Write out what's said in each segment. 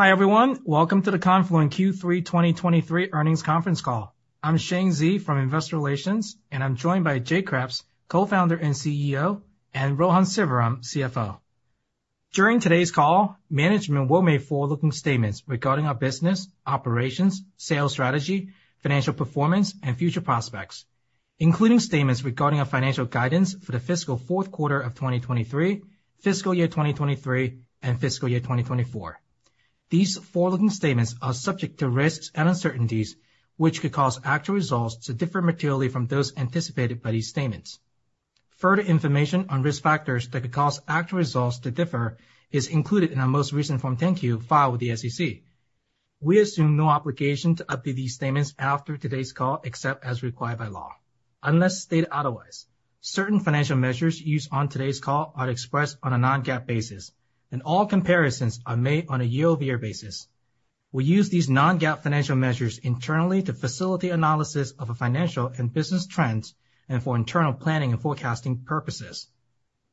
Hi, everyone. Welcome to the Confluent Q3 2023 Earnings Conference Call. I'm Shane Xie from Investor Relations, and I'm joined by Jay Kreps, co-founder and CEO, and Rohan Sivaram, CFO. During today's call, management will make forward-looking statements regarding our business, operations, sales strategy, financial performance, and future prospects, including statements regarding our financial guidance for the fiscal fourth quarter of 2023, fiscal year 2023, and fiscal year 2024. These forward-looking statements are subject to risks and uncertainties, which could cause actual results to differ materially from those anticipated by these statements. Further information on risk factors that could cause actual results to differ is included in our most recent Form 10-K filed with the SEC. We assume no obligation to update these statements after today's call, except as required by law. Unless stated otherwise, certain financial measures used on today's call are expressed on a non-GAAP basis, and all comparisons are made on a year-over-year basis. We use these non-GAAP financial measures internally to facilitate analysis of our financial and business trends and for internal planning and forecasting purposes.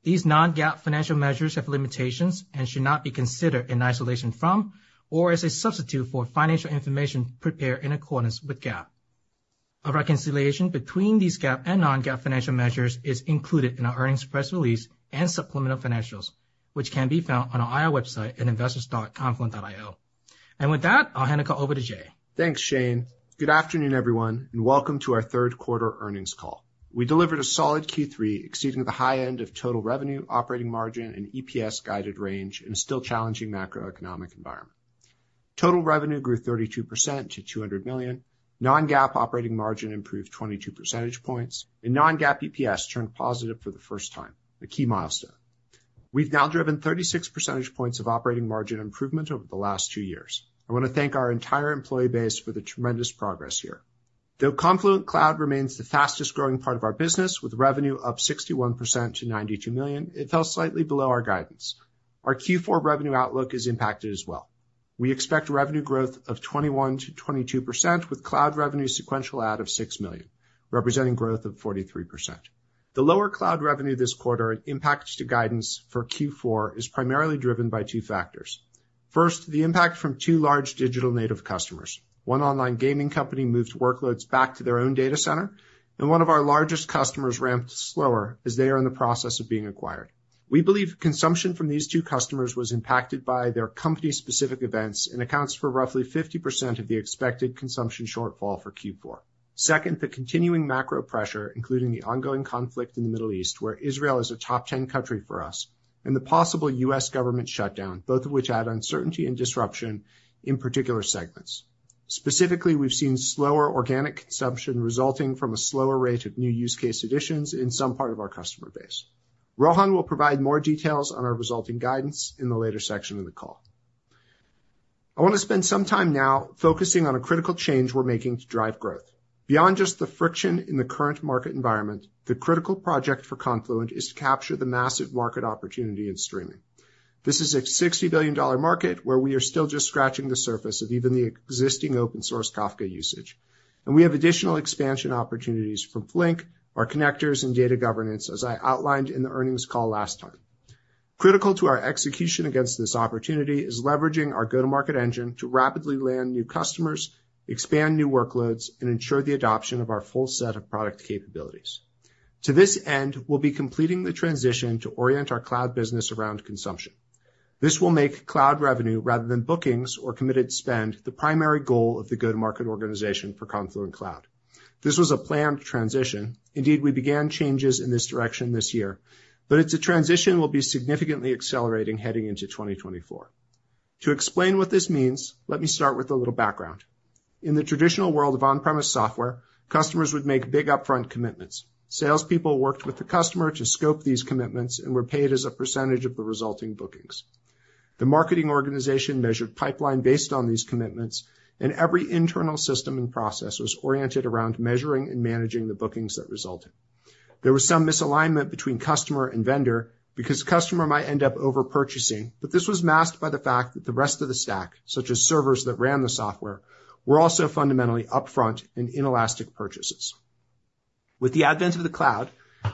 These non-GAAP financial measures have limitations and should not be considered in isolation from or as a substitute for financial information prepared in accordance with GAAP. A reconciliation between these GAAP and non-GAAP financial measures is included in our earnings press release and supplemental financials, which can be found on our IR website at investors.confluent.io. And with that, I'll hand it back over to Jay. Thanks, Shane. Good afternoon, everyone, and welcome to our third quarter earnings call. We delivered a solid Q3, exceeding the high end of total revenue, operating margin, and EPS-guided range in a still challenging macroeconomic environment. Total revenue grew 32% to $200 million, non-GAAP operating margin improved 22 percentage points, and non-GAAP EPS turned positive for the first time, a key milestone. We've now driven 36 percentage points of operating margin improvement over the last two years. I want to thank our entire employee base for the tremendous progress here. Though Confluent Cloud remains the fastest growing part of our business, with revenue up 61% to $92 million, it fell slightly below our guidance. Our Q4 revenue outlook is impacted as well. We expect revenue growth of 21%-22%, with cloud revenue sequential add of $6 million, representing growth of 43%. The lower cloud revenue this quarter and impact to guidance for Q4 is primarily driven by two factors. First, the impact from two large digital native customers. One online gaming company moved workloads back to their own data center, and one of our largest customers ramped slower as they are in the process of being acquired. We believe consumption from these two customers was impacted by their company-specific events and accounts for roughly 50% of the expected consumption shortfall for Q4. Second, the continuing macro pressure, including the ongoing conflict in the Middle East, where Israel is a top 10 country for us, and the possible U.S. government shutdown, both of which add uncertainty and disruption in particular segments. Specifically, we've seen slower organic consumption resulting from a slower rate of new use case additions in some part of our customer base. Rohan will provide more details on our resulting guidance in the later section of the call. I want to spend some time now focusing on a critical change we're making to drive growth. Beyond just the friction in the current market environment, the critical project for Confluent is to capture the massive market opportunity in streaming. This is a $60 billion market where we are still just scratching the surface of even the existing open source Kafka usage, and we have additional expansion opportunities from Flink, our connectors, and data governance, as I outlined in the earnings call last time. Critical to our execution against this opportunity is leveraging our go-to-market engine to rapidly land new customers, expand new workloads, and ensure the adoption of our full set of product capabilities. To this end, we'll be completing the transition to orient our cloud business around consumption. This will make cloud revenue, rather than bookings or committed spend, the primary goal of the go-to-market organization for Confluent Cloud. This was a planned transition. Indeed, we began changes in this direction this year, but it's a transition we'll be significantly accelerating heading into 2024. To explain what this means, let me start with a little background. In the traditional world of on-premise software, customers would make big upfront commitments. Salespeople worked with the customer to scope these commitments and were paid as a percentage of the resulting bookings. The marketing organization measured pipeline based on these commitments, and every internal system and process was oriented around measuring and managing the bookings that resulted. There was some misalignment between customer and vendor, because customer might end up over purchasing, but this was masked by the fact that the rest of the stack, such as servers that ran the software, were also fundamentally upfront and inelastic purchases. With the advent of the cloud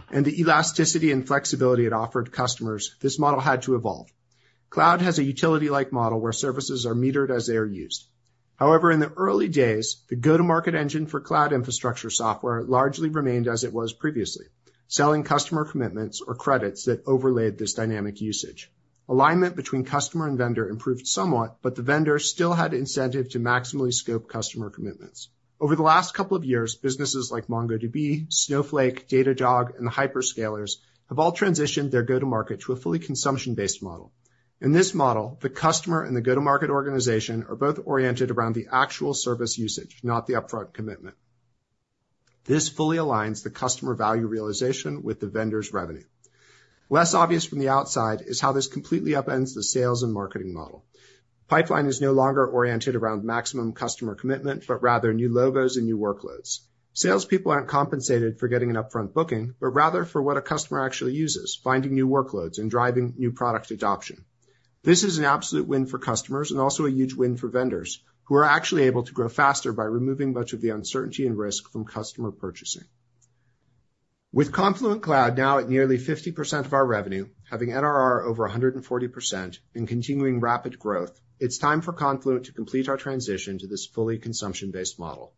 and the elasticity and flexibility it offered customers, this model had to evolve. Cloud has a utility-like model where services are metered as they are used. However, in the early days, the go-to-market engine for cloud infrastructure software largely remained as it was previously, selling customer commitments or credits that overlaid this dynamic usage. Alignment between customer and vendor improved somewhat, but the vendor still had incentive to maximally scope customer commitments. Over the last couple of years, businesses like MongoDB, Snowflake, Datadog, and the hyperscalers have all transitioned their go-to-market to a fully consumption-based model. In this model, the customer and the go-to-market organization are both oriented around the actual service usage, not the upfront commitment. This fully aligns the customer value realization with the vendor's revenue. Less obvious from the outside is how this completely upends the sales and marketing model. Pipeline is no longer oriented around maximum customer commitment, but rather new logos and new workloads. Salespeople aren't compensated for getting an upfront booking, but rather for what a customer actually uses, finding new workloads and driving new product adoption. This is an absolute win for customers and also a huge win for vendors, who are actually able to grow faster by removing much of the uncertainty and risk from customer purchasing... With Confluent Cloud now at nearly 50% of our revenue, having NRR over 140% and continuing rapid growth, it's time for Confluent to complete our transition to this fully consumption-based model.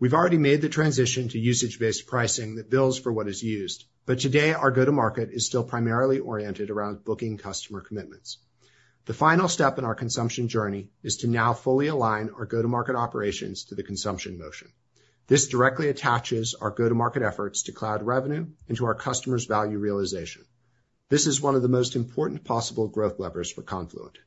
We've already made the transition to usage-based pricing that bills for what is used, but today, our go-to-market is still primarily oriented around booking customer commitments. The final step in our consumption journey is to now fully align our go-to-market operations to the consumption motion. This directly attaches our go-to-market efforts to cloud revenue and to our customers' value realization. This is one of the most important possible growth levers for Confluent.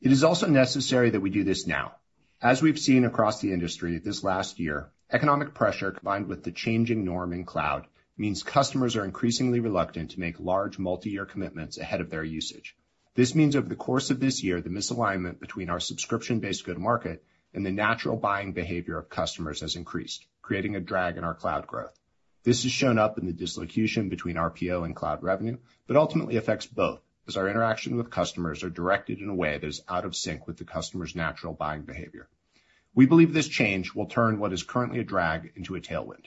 It is also necessary that we do this now. As we've seen across the industry this last year, economic pressure, combined with the changing norm in cloud, means customers are increasingly reluctant to make large, multi-year commitments ahead of their usage. This means over the course of this year, the misalignment between our subscription-based go-to-market and the natural buying behavior of customers has increased, creating a drag in our cloud growth. This has shown up in the dislocation between RPO and cloud revenue, but ultimately affects both, as our interaction with customers are directed in a way that is out of sync with the customer's natural buying behavior. We believe this change will turn what is currently a drag into a tailwind.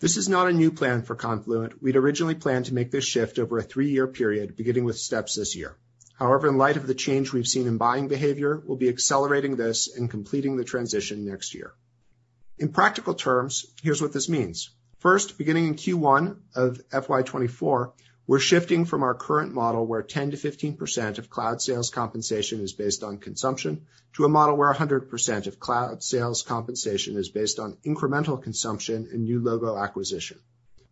This is not a new plan for Confluent. We'd originally planned to make this shift over a three-year period, beginning with steps this year. However, in light of the change we've seen in buying behavior, we'll be accelerating this and completing the transition next year. In practical terms, here's what this means. First, beginning in Q1 of FY 2024, we're shifting from our current model, where 10%-15% of cloud sales compensation is based on consumption, to a model where 100% of cloud sales compensation is based on incremental consumption and new logo acquisition.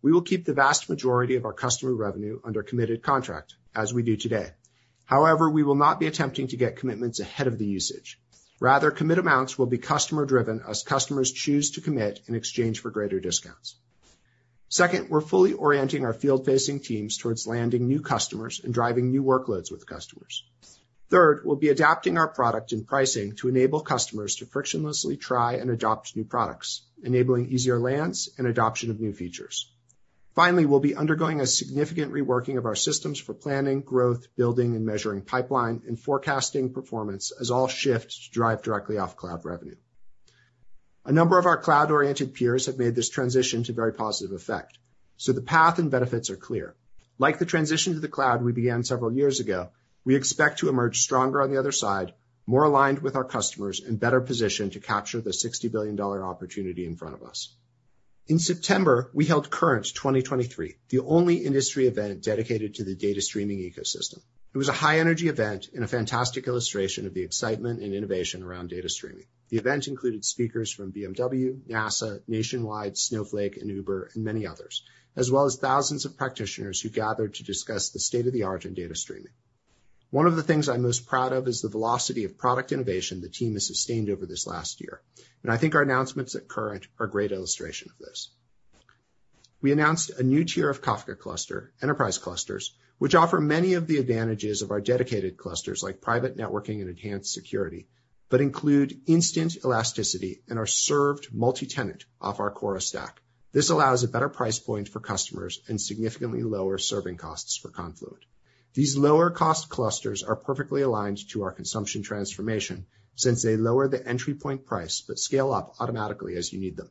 We will keep the vast majority of our customer revenue under committed contract, as we do today. However, we will not be attempting to get commitments ahead of the usage. Rather, commit amounts will be customer-driven as customers choose to commit in exchange for greater discounts. Second, we're fully orienting our field-facing teams towards landing new customers and driving new workloads with customers. Third, we'll be adapting our product and pricing to enable customers to frictionlessly try and adopt new products, enabling easier lands and adoption of new features. Finally, we'll be undergoing a significant reworking of our systems for planning, growth, building, and measuring pipeline, and forecasting performance as all shifts drive directly off cloud revenue. A number of our cloud-oriented peers have made this transition to very positive effect, so the path and benefits are clear. Like the transition to the cloud we began several years ago, we expect to emerge stronger on the other side, more aligned with our customers, and better positioned to capture the $60 billion opportunity in front of us. In September, we held Current 2023, the only industry event dedicated to the data streaming ecosystem. It was a high-energy event and a fantastic illustration of the excitement and innovation around data streaming. The event included speakers from BMW, NASA, Nationwide, Snowflake, and Uber, and many others, as well as thousands of practitioners who gathered to discuss the state-of-the-art in data streaming. One of the things I'm most proud of is the velocity of product innovation the team has sustained over this last year, and I think our announcements at Current are a great illustration of this. We announced a new tier of Kafka cluster, Enterprise clusters, which offer many of the advantages of our Dedicated clusters, like Private Networking and Enhanced Security, but include instant elasticity and are served multi-tenant off our Kora stack. This allows a better price point for customers and significantly lower serving costs for Confluent. These lower cost clusters are perfectly aligned to our consumption transformation, since they lower the entry point price, but scale up automatically as you need them.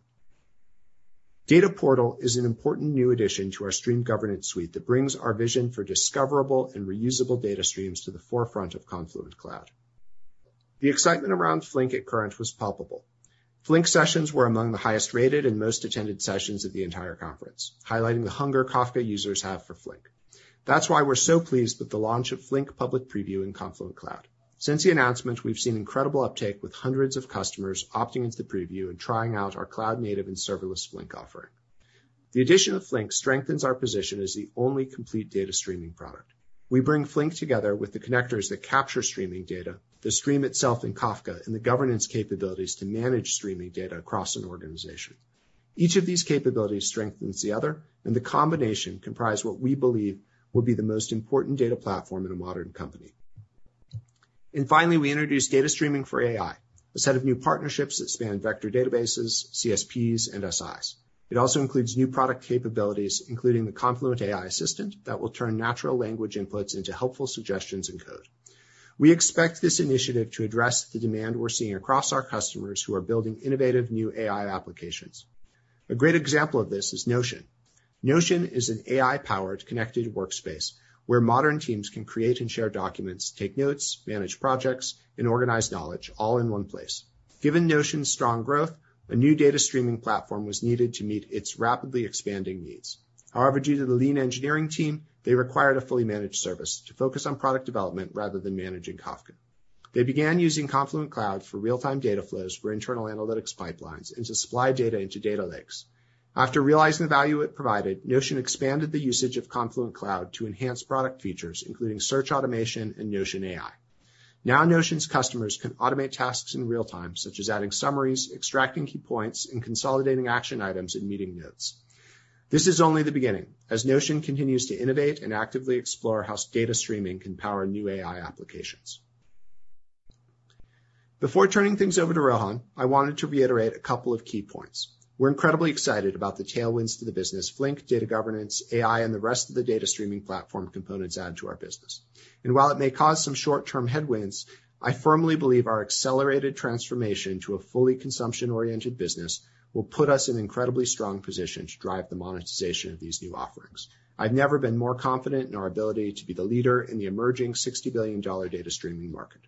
Data Portal is an important new addition to our Stream Governance suite that brings our vision for discoverable and reusable data streams to the forefront of Confluent Cloud. The excitement around Flink at Current was palpable. Flink sessions were among the highest rated and most attended sessions of the entire conference, highlighting the hunger Kafka users have for Flink. That's why we're so pleased with the launch of Flink public preview in Confluent Cloud. Since the announcement, we've seen incredible uptake, with hundreds of customers opting into the preview and trying out our cloud-native and serverless Flink offering. The addition of Flink strengthens our position as the only complete data streaming product. We bring Flink together with the connectors that capture streaming data, the stream itself in Kafka, and the governance capabilities to manage streaming data across an organization. Each of these capabilities strengthens the other, and the combination comprise what we believe will be the most important data platform in a modern company. Finally, we introduced data streaming for AI, a set of new partnerships that span vector databases, CSPs, and SIs. It also includes new product capabilities, including the Confluent AI Assistant, that will turn natural language inputs into helpful suggestions and code. We expect this initiative to address the demand we're seeing across our customers who are building innovative new AI applications. A great example of this is Notion. Notion is an AI-powered, connected workspace, where modern teams can create and share documents, take notes, manage projects, and organize knowledge all in one place. Given Notion's strong growth, a new data streaming platform was needed to meet its rapidly expanding needs. However, due to the lean engineering team, they required a fully managed service to focus on product development rather than managing Kafka. They began using Confluent Cloud for real-time data flows, for internal analytics pipelines, and to supply data into data lakes. After realizing the value it provided, Notion expanded the usage of Confluent Cloud to enhance product features, including search, automation, and Notion AI. Now, Notion's customers can automate tasks in real time, such as adding summaries, extracting key points, and consolidating action items in meeting notes. This is only the beginning, as Notion continues to innovate and actively explore how data streaming can power new AI applications.... Before turning things over to Rohan, I wanted to reiterate a couple of key points. We're incredibly excited about the tailwinds to the business, Flink, data governance, AI, and the rest of the data streaming platform components add to our business. While it may cause some short-term headwinds, I firmly believe our accelerated transformation to a fully consumption-oriented business will put us in incredibly strong position to drive the monetization of these new offerings. I've never been more confident in our ability to be the leader in the emerging $60 billion data streaming market.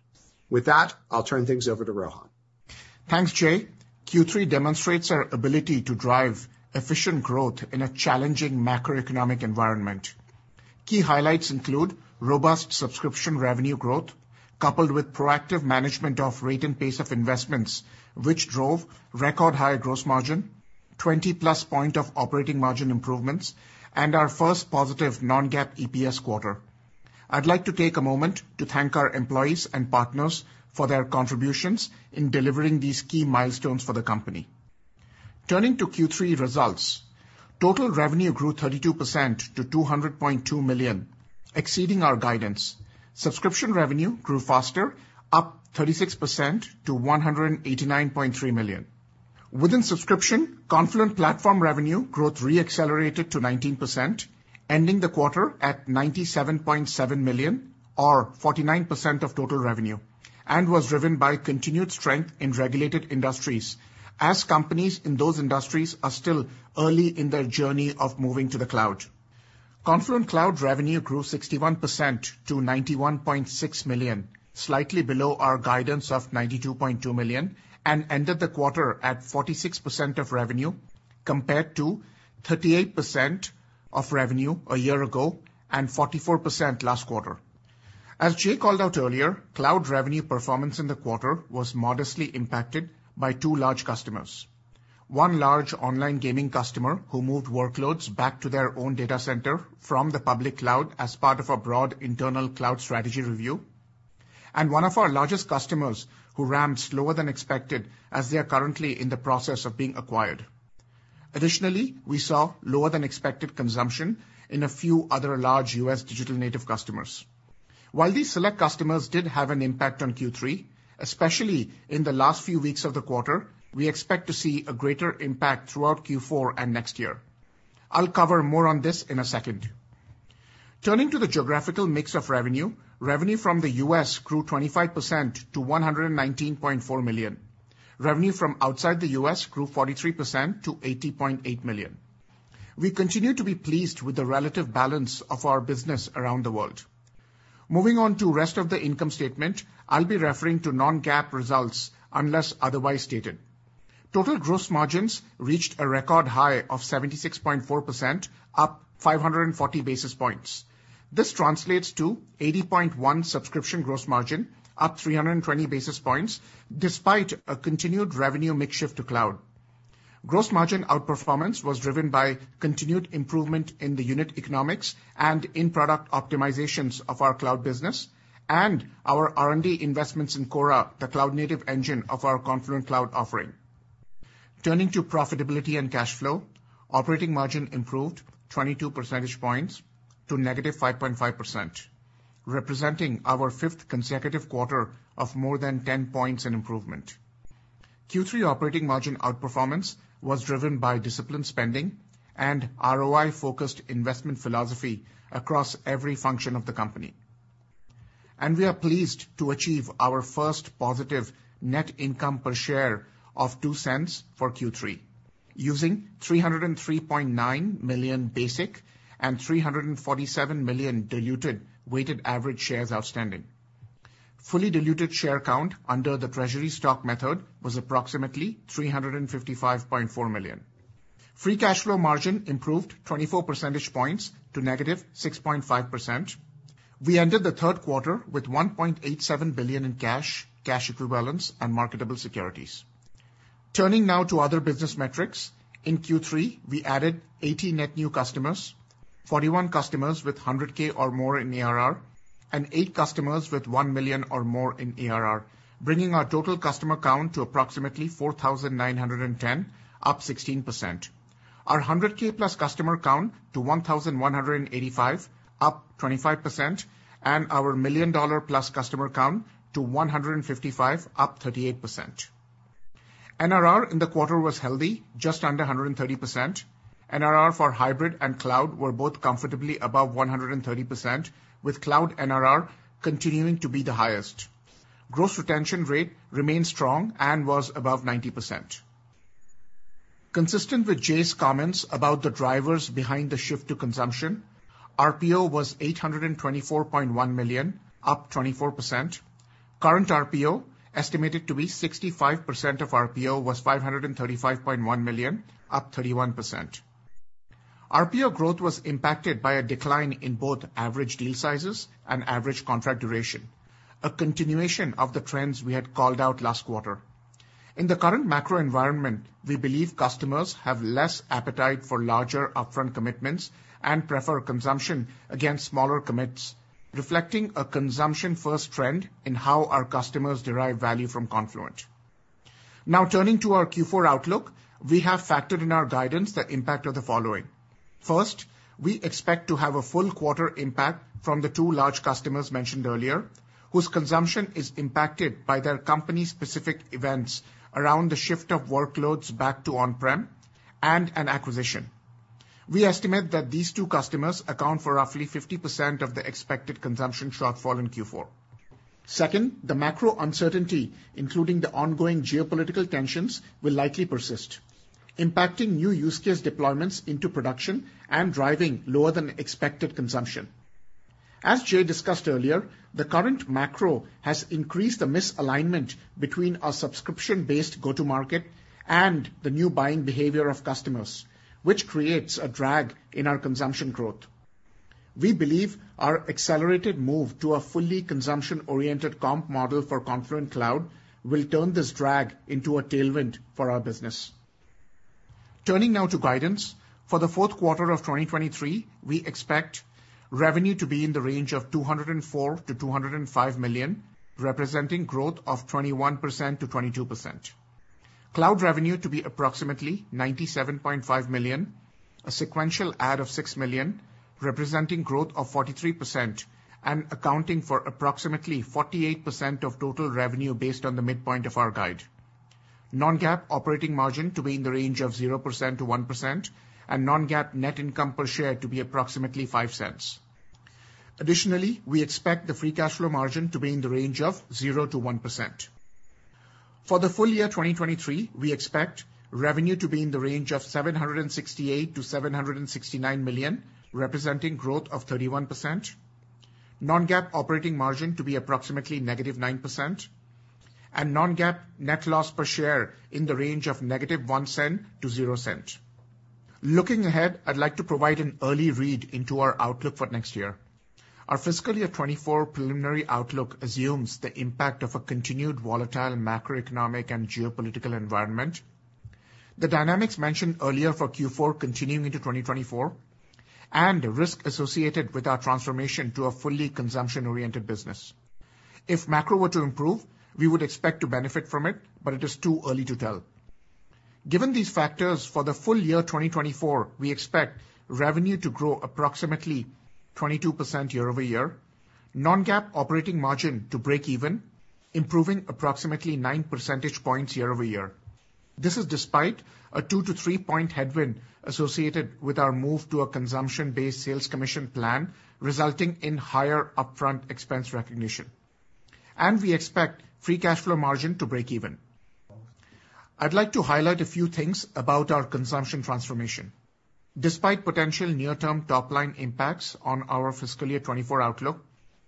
With that, I'll turn things over to Rohan. Thanks, Jay. Q3 demonstrates our ability to drive efficient growth in a challenging macroeconomic environment. Key highlights include: robust subscription revenue growth, coupled with proactive management of rate and pace of investments, which drove record high gross margin, 20+ points of operating margin improvements, and our first positive non-GAAP EPS quarter. I'd like to take a moment to thank our employees and partners for their contributions in delivering these key milestones for the company. Turning to Q3 results, total revenue grew 32% to $200.2 million, exceeding our guidance. Subscription revenue grew faster, up 36% to $189.3 million. Within subscription, Confluent Platform revenue growth reaccelerated to 19%, ending the quarter at $97.7 million or 49% of total revenue, and was driven by continued strength in regulated industries, as companies in those industries are still early in their journey of moving to the cloud. Confluent Cloud revenue grew 61% to $91.6 million, slightly below our guidance of $92.2 million, and ended the quarter at 46% of revenue, compared to 38% of revenue a year ago and 44% last quarter. As Jay called out earlier, cloud revenue performance in the quarter was modestly impacted by two large customers. One large online gaming customer, who moved workloads back to their own data center from the public cloud as part of a broad internal cloud strategy review, and one of our largest customers, who ramped slower than expected as they are currently in the process of being acquired. Additionally, we saw lower than expected consumption in a few other large U.S. digital native customers. While these select customers did have an impact on Q3, especially in the last few weeks of the quarter, we expect to see a greater impact throughout Q4 and next year. I'll cover more on this in a second. Turning to the geographical mix of revenue, revenue from the U.S. grew 25% to $119.4 million. Revenue from outside the U.S. grew 43% to $80.8 million. We continue to be pleased with the relative balance of our business around the world. Moving on to rest of the income statement, I'll be referring to non-GAAP results unless otherwise stated. Total gross margins reached a record high of 76.4%, up 540 basis points. This translates to 80.1 subscription gross margin, up 320 basis points, despite a continued revenue mix shift to cloud. Gross margin outperformance was driven by continued improvement in the unit economics and in-product optimizations of our cloud business, and our R&D investments in Kora, the cloud-native engine of our Confluent Cloud offering. Turning to profitability and cash flow, operating margin improved 22 percentage points to -5.5%, representing our fifth consecutive quarter of more than ten points in improvement. Q3 operating margin outperformance was driven by disciplined spending and ROI-focused investment philosophy across every function of the company. We are pleased to achieve our first positive net income per share of $0.02 for Q3, using 303.9 million basic and 347 million diluted weighted average shares outstanding. Fully diluted share count under the treasury stock method was approximately 355.4 million. Free cash flow margin improved 24 percentage points to -6.5%. We ended the third quarter with $1.87 billion in cash, cash equivalents, and marketable securities. Turning now to other business metrics. In Q3, we added 80 net new customers, 41 customers with 100K or more in ARR, and eight customers with 1 million or more in ARR, bringing our total customer count to approximately 4,910, up 16%. Our 100K-plus customer count to 1,185, up 25%, and our million-dollar-plus customer count to 155, up 38%. NRR in the quarter was healthy, just under 130%. NRR for hybrid and cloud were both comfortably above 130%, with cloud NRR continuing to be the highest. Gross retention rate remained strong and was above 90%. Consistent with Jay's comments about the drivers behind the shift to consumption, RPO was $824.1 million, up 24%. Current RPO, estimated to be 65% of RPO, was $535.1 million, up 31%. RPO growth was impacted by a decline in both average deal sizes and average contract duration, a continuation of the trends we had called out last quarter. In the current macro environment, we believe customers have less appetite for larger upfront commitments and prefer consumption against smaller commits, reflecting a consumption-first trend in how our customers derive value from Confluent. Now turning to our Q4 outlook, we have factored in our guidance, the impact of the following. First, we expect to have a full quarter impact from the two large customers mentioned earlier, whose consumption is impacted by their company-specific events around the shift of workloads back to on-prem and an acquisition. We estimate that these two customers account for roughly 50% of the expected consumption shortfall in Q4. Second, the macro uncertainty, including the ongoing geopolitical tensions, will likely persist, impacting new use case deployments into production and driving lower than expected consumption. As Jay discussed earlier, the current macro has increased the misalignment between our subscription-based go-to-market and the new buying behavior of customers, which creates a drag in our consumption growth. We believe our accelerated move to a fully consumption-oriented comp model for Confluent Cloud will turn this drag into a tailwind for our business. Turning now to guidance. For the fourth quarter of 2023, we expect revenue to be in the range of $204 million-$205 million, representing growth of 21%-22%. Cloud revenue to be approximately $97.5 million, a sequential add of $6 million, representing growth of 43% and accounting for approximately 48% of total revenue based on the midpoint of our guide. Non-GAAP operating margin to be in the range of 0%-1%, and non-GAAP net income per share to be approximately $0.05. Additionally, we expect the free cash flow margin to be in the range of 0%-1%. For the full year 2023, we expect revenue to be in the range of $768 million-$769 million, representing growth of 31%. Non-GAAP operating margin to be approximately -9%, and non-GAAP net loss per share in the range of -$0.01 to $0.00. Looking ahead, I'd like to provide an early read into our outlook for next year. Our fiscal year 2024 preliminary outlook assumes the impact of a continued volatile macroeconomic and geopolitical environment. The dynamics mentioned earlier for Q4 continuing into 2024, and the risk associated with our transformation to a fully consumption-oriented business. If macro were to improve, we would expect to benefit from it, but it is too early to tell. Given these factors, for the full year 2024, we expect revenue to grow approximately 22% year-over-year, non-GAAP operating margin to break even, improving approximately 9 percentage points year-over-year. This is despite a 2-3-point headwind associated with our move to a consumption-based sales commission plan, resulting in higher upfront expense recognition, and we expect free cash flow margin to break even. I'd like to highlight a few things about our consumption transformation. Despite potential near-term top-line impacts on our fiscal year 2024 outlook,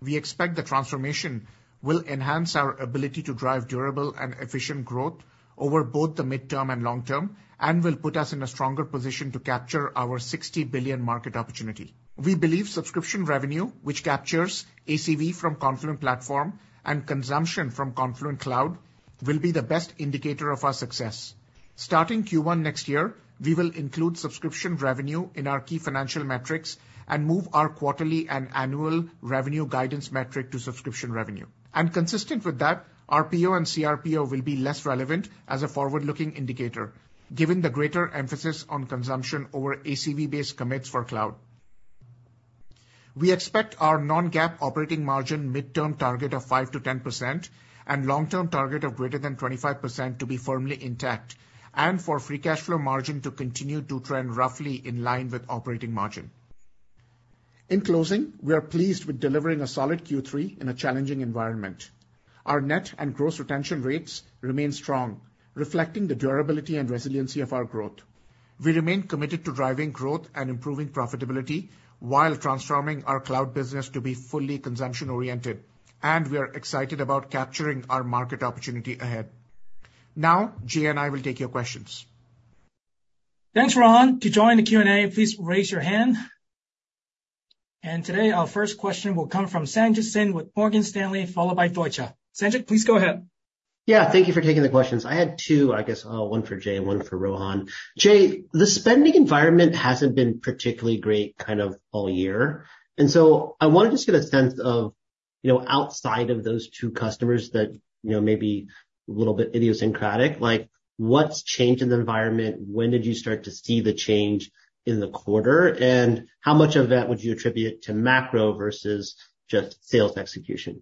we expect the transformation will enhance our ability to drive durable and efficient growth over both the midterm and long term, and will put us in a stronger position to capture our $60 billion market opportunity. We believe subscription revenue, which captures ACV from Confluent Platform and consumption from Confluent Cloud, will be the best indicator of our success. Starting Q1 next year, we will include subscription revenue in our key financial metrics and move our quarterly and annual revenue guidance metric to subscription revenue. Consistent with that, RPO and cRPO will be less relevant as a forward-looking indicator, given the greater emphasis on consumption over ACV-based commits for cloud. We expect our non-GAAP operating margin midterm target of 5%-10% and long-term target of greater than 25% to be firmly intact, and for free cash flow margin to continue to trend roughly in line with operating margin. In closing, we are pleased with delivering a solid Q3 in a challenging environment. Our net and gross retention rates remain strong, reflecting the durability and resiliency of our growth. We remain committed to driving growth and improving profitability while transforming our cloud business to be fully consumption-oriented, and we are excited about capturing our market opportunity ahead. Now, Jay and I will take your questions. Thanks, Rohan. To join the Q&A, please raise your hand. Today, our first question will come from Sanjit Singh with Morgan Stanley, followed by Deutsche. Sanjit, please go ahead. Yeah, thank you for taking the questions. I had two, I guess, one for Jay and one for Rohan. Jay, the spending environment hasn't been particularly great kind of all year, and so I want to just get a sense of, you know, outside of those two customers that, you know, may be a little bit idiosyncratic, like, what's changed in the environment? When did you start to see the change in the quarter, and how much of that would you attribute to macro versus just sales execution?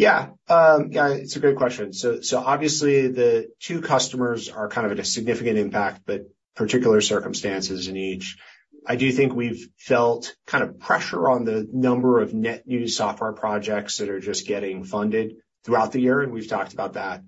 Yeah, yeah, it's a great question. So, so obviously, the two customers are kind of at a significant impact, but particular circumstances in each. I do think we've felt kind of pressure on the number of net new software projects that are just getting funded throughout the year, and we've talked about that,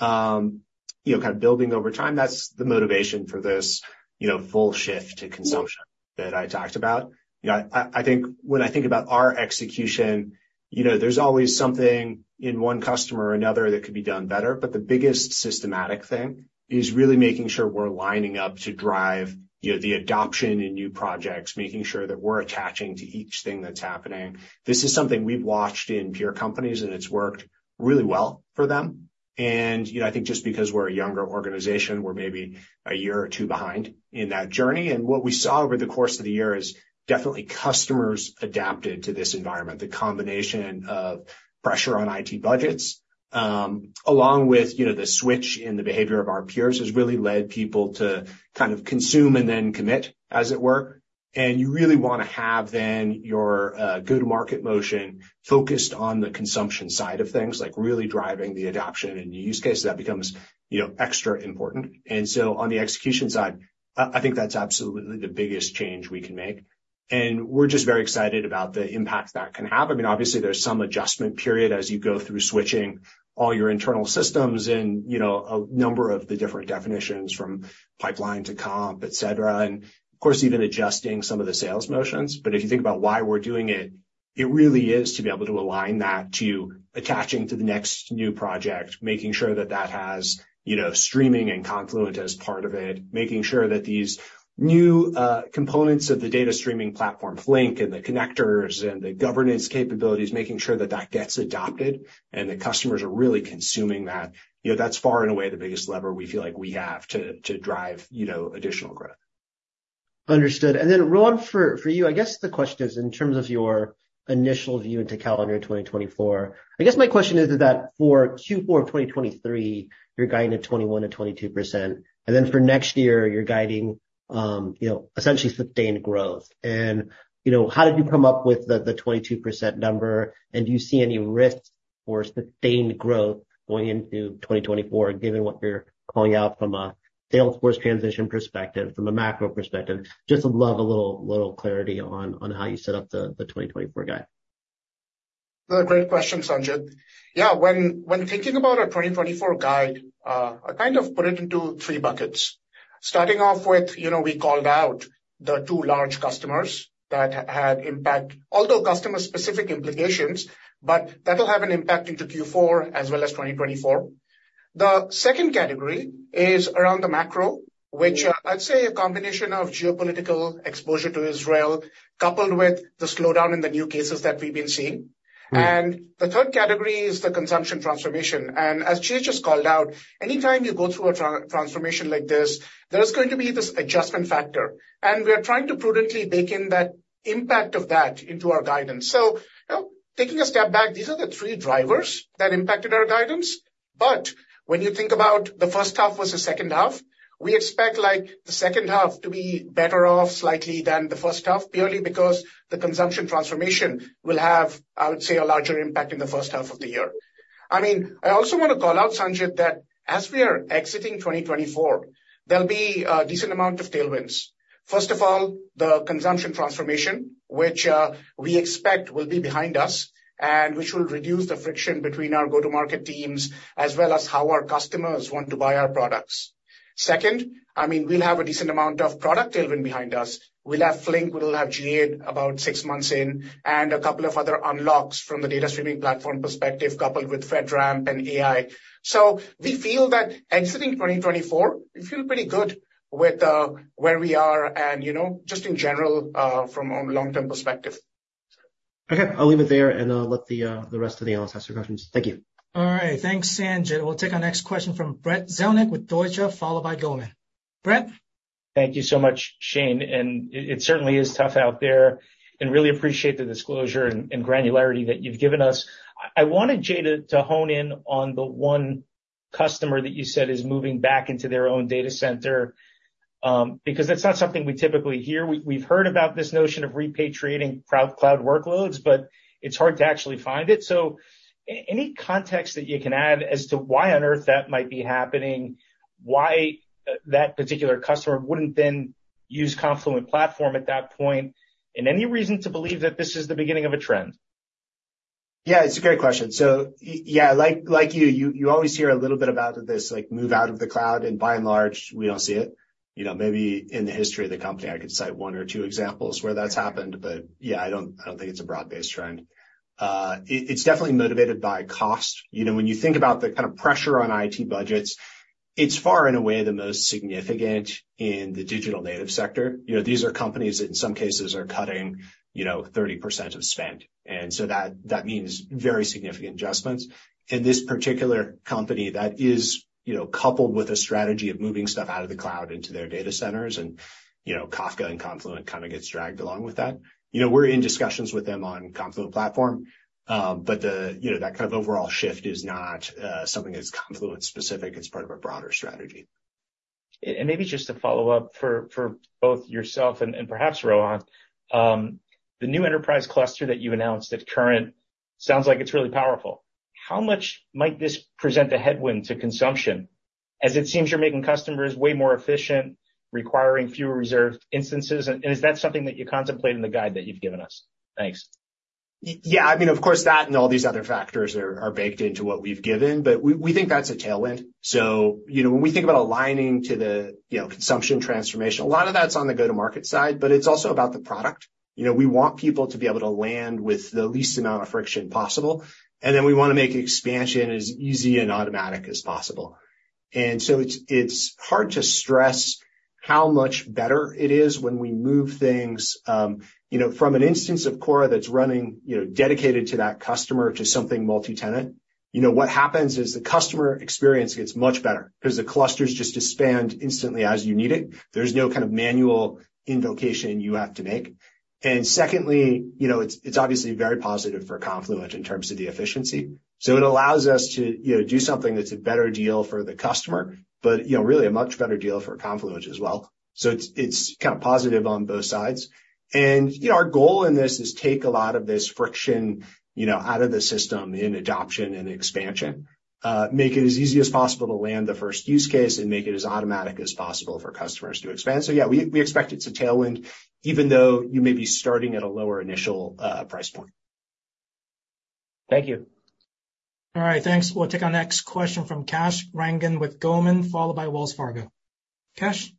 you know, kind of building over time. That's the motivation for this, you know, full shift to consumption that I talked about. You know, I, I think when I think about our execution, you know, there's always something in one customer or another that could be done better, but the biggest systematic thing is really making sure we're lining up to drive, you know, the adoption in new projects, making sure that we're attaching to each thing that's happening. This is something we've watched in peer companies, and it's worked really well for them. You know, I think just because we're a younger organization, we're maybe a year or two behind in that journey. What we saw over the course of the year is definitely customers adapted to this environment. The combination of pressure on IT budgets along with, you know, the switch in the behavior of our peers has really led people to kind of consume and then commit, as it were. And you really wanna have then your good market motion focused on the consumption side of things, like really driving the adoption and use cases, that becomes, you know, extra important. And so on the execution side, I, I think that's absolutely the biggest change we can make, and we're just very excited about the impact that can have. I mean, obviously, there's some adjustment period as you go through switching all your internal systems and, you know, a number of the different definitions from pipeline to comp, et cetera, and, of course, even adjusting some of the sales motions. But if you think about why we're doing it, it really is to be able to align that to attaching to the next new project, making sure that that has, you know, streaming and Confluent as part of it. Making sure that these new components of the data streaming platform, Flink, and the connectors and the governance capabilities, making sure that that gets adopted and the customers are really consuming that. You know, that's far and away the biggest lever we feel like we have to, to drive, you know, additional growth. Understood. And then, Rohan, for you, I guess the question is in terms of your initial view into calendar 2024. I guess my question is, is that for Q4 of 2023, you're guiding at 21%-22%, and then for next year, you're guiding, you know, essentially sustained growth. And, you know, how did you come up with the 22% number? And do you see any risks for sustained growth going into 2024, given what you're calling out from a sales force transition perspective, from a macro perspective? Just would love a little clarity on how you set up the 2024 guide. Great question, Sanjit. Yeah, when thinking about our 2024 guide, I kind of put it into three buckets. Starting off with, you know, we called out the two large customers that had impact, although customer-specific implications, but that will have an impact into Q4 as well as 2024. The second category is around the macro, which I'd say a combination of geopolitical exposure to Israel, coupled with the slowdown in the new cases that we've been seeing. Mm-hmm. The third category is the consumption transformation. As Jay just called out, anytime you go through a transformation like this, there is going to be this adjustment factor, and we are trying to prudently bake in that impact of that into our guidance. So, you know, taking a step back, these are the three drivers that impacted our guidance. But when you think about the first half versus second half, we expect, like, the second half to be better off slightly than the first half, purely because the consumption transformation will have, I would say, a larger impact in the first half of the year. I mean, I also want to call out, Sanjit, that as we are exiting 2024, there'll be a decent amount of tailwinds. First of all, the consumption transformation, which we expect will be behind us and which will reduce the friction between our go-to-market teams, as well as how our customers want to buy our products. Second, I mean, we'll have a decent amount of product tailwind behind us. We'll have Flink, we'll have GA about six months in, and a couple of other unlocks from the data streaming platform perspective, coupled with FedRAMP and AI. So we feel that exiting 2024, we feel pretty good with where we are and, you know, just in general from a long-term perspective. Okay, I'll leave it there, and I'll let the rest of the analysts ask their questions. Thank you. All right. Thanks, Sanjit. We'll take our next question from Brad Zelnick with Deutsche, followed by Goldman. Brad? Thank you so much, Shane, and it certainly is tough out there and really appreciate the disclosure and granularity that you've given us. I wanted, Jay, to hone in on the one customer that you said is moving back into their own data center, because that's not something we typically hear. We've heard about this notion of repatriating cloud workloads, but it's hard to actually find it. So any context that you can add as to why on earth that might be happening, why that particular customer wouldn't then use Confluent Platform at that point, and any reason to believe that this is the beginning of a trend? Yeah, it's a great question. So yeah, like you always hear a little bit about this, like, move out of the cloud, and by and large, we don't see it. You know, maybe in the history of the company, I could cite one or two examples where that's happened, but yeah, I don't think it's a broad-based trend. It's definitely motivated by cost. You know, when you think about the kind of pressure on IT budgets, it's far and away the most significant in the digital native sector. You know, these are companies that, in some cases, are cutting you know 30% of spend, and so that means very significant adjustments. In this particular company, that is, you know, coupled with a strategy of moving stuff out of the cloud into their data centers, and, you know, Kafka and Confluent kind of gets dragged along with that. You know, we're in discussions with them on Confluent Platform, but the, you know, that kind of overall shift is not, something that's Confluent-specific. It's part of a broader strategy. Maybe just to follow up for both yourself and perhaps Rohan. The new Enterprise cluster that you announced at Current sounds like it's really powerful. How much might this present a headwind to consumption, as it seems you're making customers way more efficient, requiring fewer reserved instances? Is that something that you contemplate in the guide that you've given us? Thanks. Yeah, I mean, of course, that and all these other factors are baked into what we've given, but we think that's a tailwind. So, you know, when we think about aligning to the, you know, consumption transformation, a lot of that's on the go-to-market side, but it's also about the product. You know, we want people to be able to land with the least amount of friction possible, and then we want to make expansion as easy and automatic as possible. And so it's hard to stress how much better it is when we move things, you know, from an instance of Kora that's running, you know, dedicated to that customer, to something multi-tenant... You know, what happens is the customer experience gets much better because the clusters just expand instantly as you need it. There's no kind of manual invocation you have to make. And secondly, you know, it's obviously very positive for Confluent in terms of the efficiency. So it allows us to, you know, do something that's a better deal for the customer, but, you know, really a much better deal for Confluent as well. So it's kind of positive on both sides. And, you know, our goal in this is take a lot of this friction, you know, out of the system in adoption and expansion, make it as easy as possible to land the first use case, and make it as automatic as possible for customers to expand. So, yeah, we expect it's a tailwind, even though you may be starting at a lower initial price point. Thank you. All right, thanks. We'll take our next question from Kash Rangan with Goldman, followed by Wells Fargo. Kash?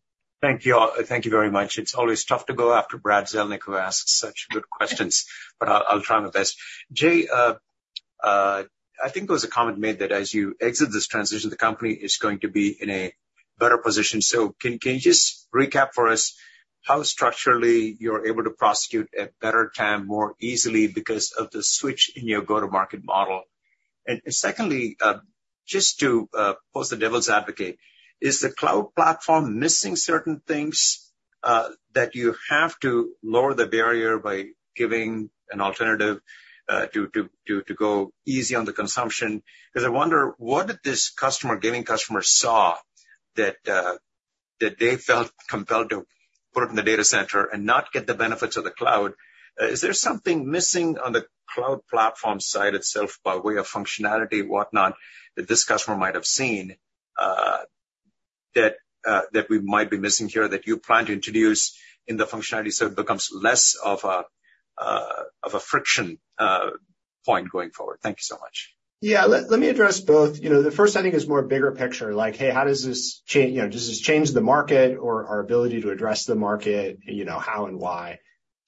Thank you all. Thank you very much. It's always tough to go after Brad Zelnick, who asks such good questions, but I'll, I'll try my best. Jay, I think there was a comment made that as you exit this transition, the company is going to be in a better position. So can you just recap for us how structurally you're able to prosecute a better TAM more easily because of the switch in your go-to-market model? And secondly, just to pose the devil's advocate, is the cloud platform missing certain things that you have to lower the barrier by giving an alternative to go easy on the consumption? Because I wonder, what did this customer, gaming customer saw that that they felt compelled to put it in the data center and not get the benefits of the cloud? Is there something missing on the cloud platform side itself, by way of functionality, whatnot, that this customer might have seen, that, that we might be missing here, that you plan to introduce in the functionality so it becomes less of a, of a friction, point going forward? Thank you so much. Yeah, let me address both. You know, the first I think is more bigger picture, like, "Hey, how does this change... You know, does this change the market or our ability to address the market? You know, how and why?"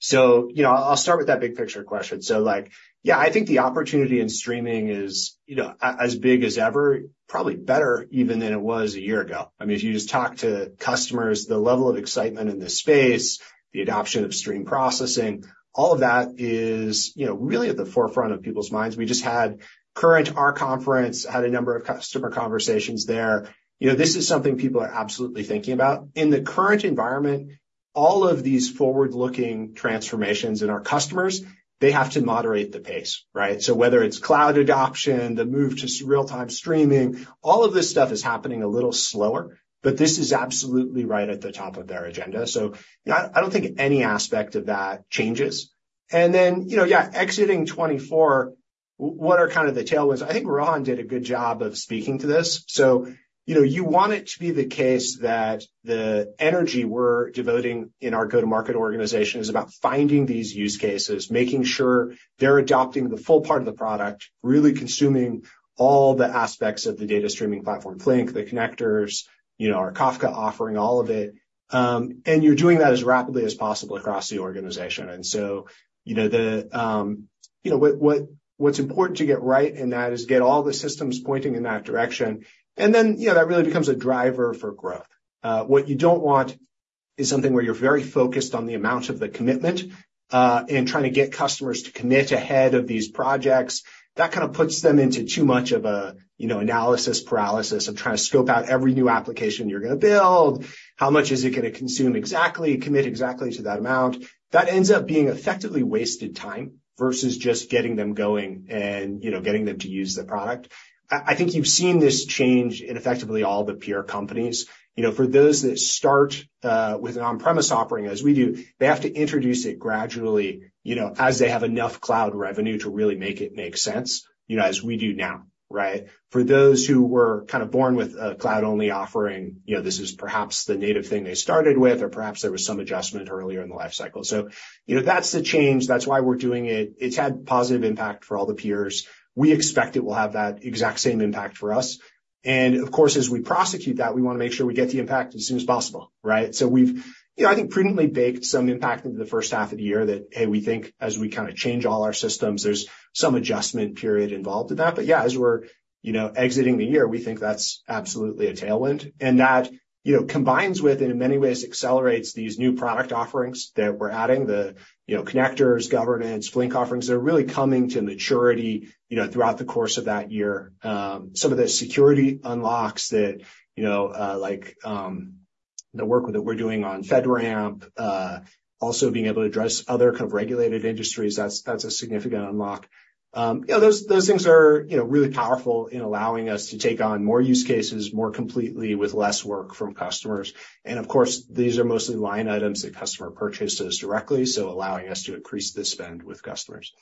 So, you know, I'll start with that big picture question. So like, yeah, I think the opportunity in streaming is, you know, as big as ever, probably better even than it was a year ago. I mean, if you just talk to customers, the level of excitement in this space, the adoption of stream processing, all of that is, you know, really at the forefront of people's minds. We just had Current, our conference, had a number of customer conversations there. You know, this is something people are absolutely thinking about. In the current environment, all of these forward-looking transformations in our customers, they have to moderate the pace, right? So whether it's cloud adoption, the move to real-time streaming, all of this stuff is happening a little slower, but this is absolutely right at the top of their agenda. So I don't think any aspect of that changes. And then, you know, yeah, exiting 2024, what are kind of the tailwinds? I think Rohan did a good job of speaking to this. So, you know, you want it to be the case that the energy we're devoting in our go-to-market organization is about finding these use cases, making sure they're adopting the full part of the product, really consuming all the aspects of the data streaming platform, Flink, the connectors, you know, our Kafka offering, all of it. And you're doing that as rapidly as possible across the organization. And so, you know, what's important to get right in that is get all the systems pointing in that direction. And then, you know, that really becomes a driver for growth. What you don't want is something where you're very focused on the amount of the commitment and trying to get customers to commit ahead of these projects. That kind of puts them into too much of a, you know, analysis paralysis of trying to scope out every new application you're going to build. How much is it going to consume exactly? Commit exactly to that amount. That ends up being effectively wasted time versus just getting them going and, you know, getting them to use the product. I think you've seen this change in effectively all the peer companies. You know, for those that start with an on-premise offering, as we do, they have to introduce it gradually, you know, as they have enough cloud revenue to really make it make sense, you know, as we do now, right? For those who were kind of born with a cloud-only offering, you know, this is perhaps the native thing they started with, or perhaps there was some adjustment earlier in the life cycle. So, you know, that's the change. That's why we're doing it. It's had positive impact for all the peers. We expect it will have that exact same impact for us. And of course, as we prosecute that, we want to make sure we get the impact as soon as possible, right? So we've, you know, I think, prudently baked some impact into the first half of the year that, hey, we think as we kinda change all our systems, there's some adjustment period involved in that. But yeah, as we're, you know, exiting the year, we think that's absolutely a tailwind. And that, you know, combines with, and in many ways accelerates these new product offerings that we're adding, the, you know, connectors, governance, Flink offerings, that are really coming to maturity, you know, throughout the course of that year. Some of the security unlocks that, you know, like, the work that we're doing on FedRAMP, also being able to address other kind of regulated industries, that's, that's a significant unlock. You know, those, those things are, you know, really powerful in allowing us to take on more use cases, more completely, with less work from customers. And of course, these are mostly line items that customer purchases directly, so allowing us to increase the spend with customers.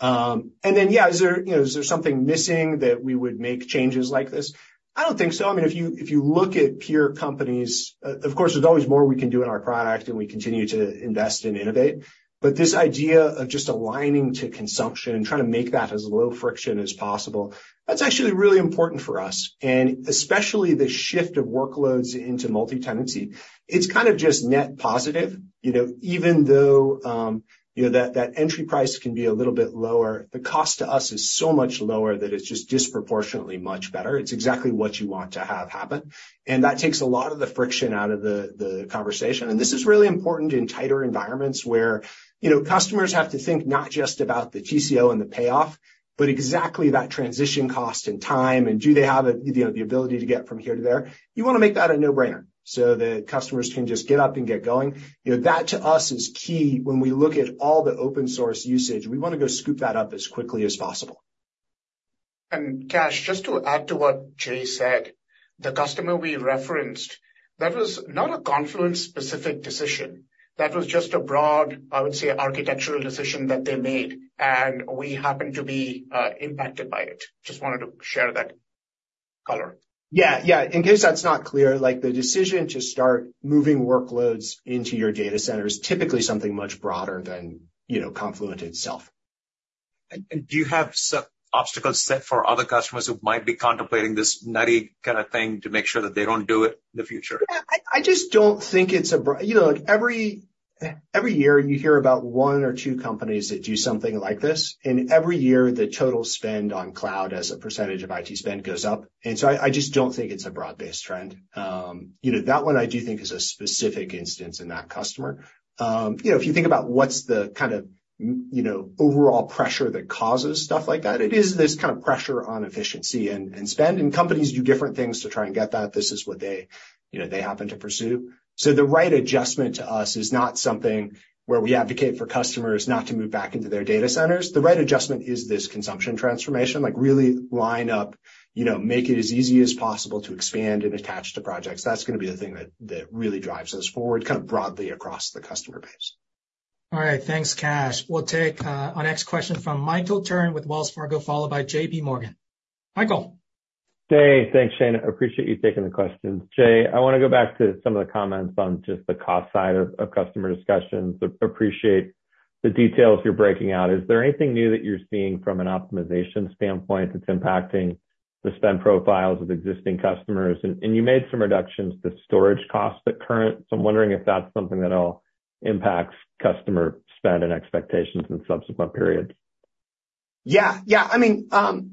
And then, yeah, is there, you know, is there something missing that we would make changes like this? I don't think so. I mean, if you, if you look at peer companies, of course, there's always more we can do in our product, and we continue to invest and innovate, but this idea of just aligning to consumption and trying to make that as low friction as possible, that's actually really important for us, and especially the shift of workloads into multi-tenancy. It's kind of just net positive. You know, even though, you know, that entry price can be a little bit lower, the cost to us is so much lower that it's just disproportionately much better. It's exactly what you want to have happen, and that takes a lot of the friction out of the conversation. This is really important in tighter environments, where, you know, customers have to think not just about the TCO and the payoff, but exactly that transition cost and time, and do they have the, you know, the ability to get from here to there? You want to make that a no-brainer, so the customers can just get up and get going. You know, that, to us, is key when we look at all the open source usage. We want to go scoop that up as quickly as possible. Kash, just to add to what Jay said, the customer we referenced, that was not a Confluent-specific decision. That was just a broad, I would say, architectural decision that they made, and we happened to be impacted by it. Just wanted to share that color. Yeah, yeah. In case that's not clear, like, the decision to start moving workloads into your data center is typically something much broader than, you know, Confluent itself. Do you have some obstacles set for other customers who might be contemplating this nutty kind of thing, to make sure that they don't do it in the future? Yeah, I just don't think it's a— You know, like, every year, you hear about one or two companies that do something like this, and every year, the total spend on cloud as a percentage of IT spend goes up. And so I just don't think it's a broad-based trend. You know, that one I do think is a specific instance in that customer. You know, if you think about what's the kind of— you know, overall pressure that causes stuff like that, it is this kind of pressure on efficiency and spend, and companies do different things to try and get that. This is what they, you know, they happen to pursue. So the right adjustment to us is not something where we advocate for customers not to move back into their data centers. The right adjustment is this consumption transformation. Like, really line up, you know, make it as easy as possible to expand and attach to projects. That's gonna be the thing that really drives us forward, kind of, broadly across the customer base. All right. Thanks, Kash. We'll take our next question from Michael Turrin with Wells Fargo, followed by JP Morgan. Michael? Hey. Thanks, Shane. I appreciate you taking the questions. Jay, I wanna go back to some of the comments on just the cost side of customer discussions. Appreciate the details you're breaking out. Is there anything new that you're seeing from an optimization standpoint that's impacting the spend profiles of existing customers? And you made some reductions to storage costs at Current, so I'm wondering if that's something that'll impact customer spend and expectations in subsequent periods. Yeah, yeah. I mean,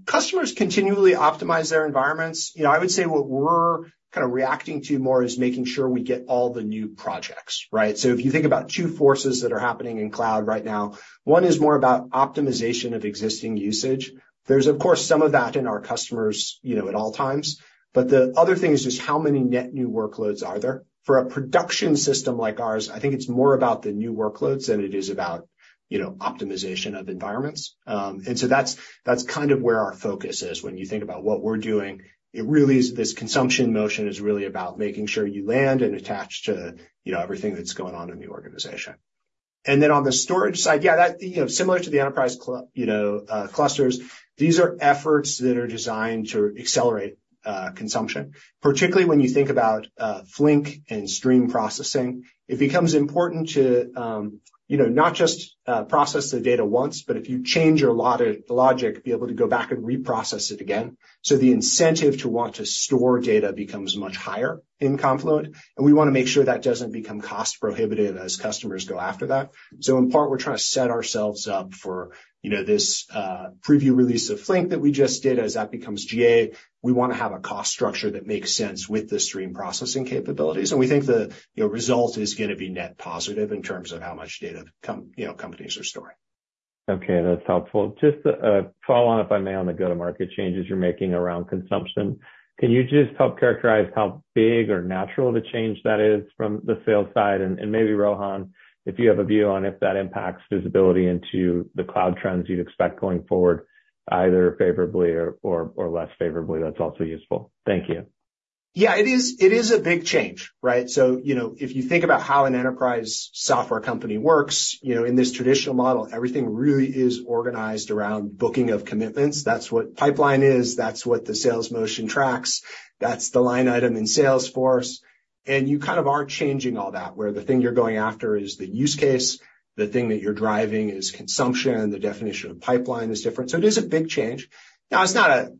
customers continually optimize their environments. You know, I would say what we're kind of reacting to more is making sure we get all the new projects, right? So if you think about two forces that are happening in cloud right now, one is more about optimization of existing usage. There's, of course, some of that in our customers, you know, at all times, but the other thing is just how many net new workloads are there? For a production system like ours, I think it's more about the new workloads than it is about, you know, optimization of environments. And so that's, that's kind of where our focus is when you think about what we're doing. It really is this consumption motion is really about making sure you land and attach to, you know, everything that's going on in the organization. And then on the storage side, yeah. You know, similar to the Enterprise clusters, these are efforts that are designed to accelerate consumption. Particularly when you think about Flink and stream processing, it becomes important to, you know, not just process the data once, but if you change your logic, be able to go back and reprocess it again. So the incentive to want to store data becomes much higher in Confluent, and we wanna make sure that doesn't become cost-prohibitive as customers go after that. So in part, we're trying to set ourselves up for, you know, this preview release of Flink that we just did. As that becomes GA, we wanna have a cost structure that makes sense with the stream processing capabilities, and we think the, you know, result is gonna be net positive in terms of how much data, you know, companies are storing. Okay, that's helpful. Just a follow-up, if I may, on the go-to-market changes you're making around consumption. Can you just help characterize how big or natural the change that is from the sales side? And maybe, Rohan, if you have a view on if that impacts visibility into the cloud trends you'd expect going forward, either favorably or less favorably, that's also useful. Thank you. Yeah, it is, it is a big change, right? So, you know, if you think about how an enterprise software company works, you know, in this traditional model, everything really is organized around booking of commitments. That's what pipeline is. That's what the sales motion tracks. That's the line item in Salesforce. And you kind of are changing all that, where the thing you're going after is the use case, the thing that you're driving is consumption, the definition of pipeline is different. So it is a big change. Now, it's not a.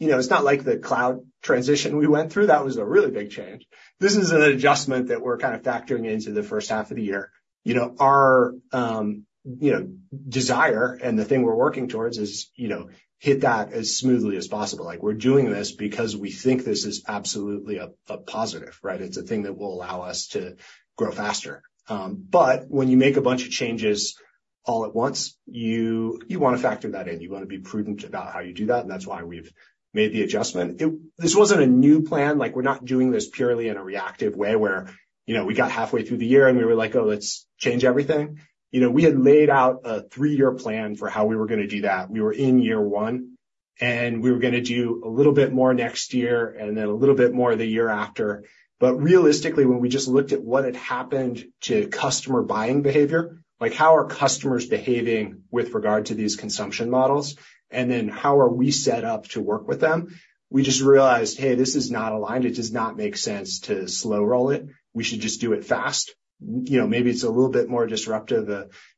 You know, it's not like the cloud transition we went through. That was a really big change. This is an adjustment that we're kind of factoring into the first half of the year. You know, our, you know, desire and the thing we're working towards is, you know, hit that as smoothly as possible. Like, we're doing this because we think this is absolutely a positive, right? It's a thing that will allow us to grow faster. But when you make a bunch of changes all at once, you wanna factor that in. You wanna be prudent about how you do that, and that's why we've made the adjustment. It. This wasn't a new plan. Like, we're not doing this purely in a reactive way, where, you know, we got halfway through the year, and we were like: "Oh, let's change everything." You know, we had laid out a three-year plan for how we were gonna do that. We were in year one, and we were gonna do a little bit more next year, and then a little bit more the year after. But realistically, when we just looked at what had happened to customer buying behavior, like, how are customers behaving with regard to these consumption models, and then how are we set up to work with them, we just realized, hey, this is not aligned. It does not make sense to slow roll it. We should just do it fast. You know, maybe it's a little bit more disruptive,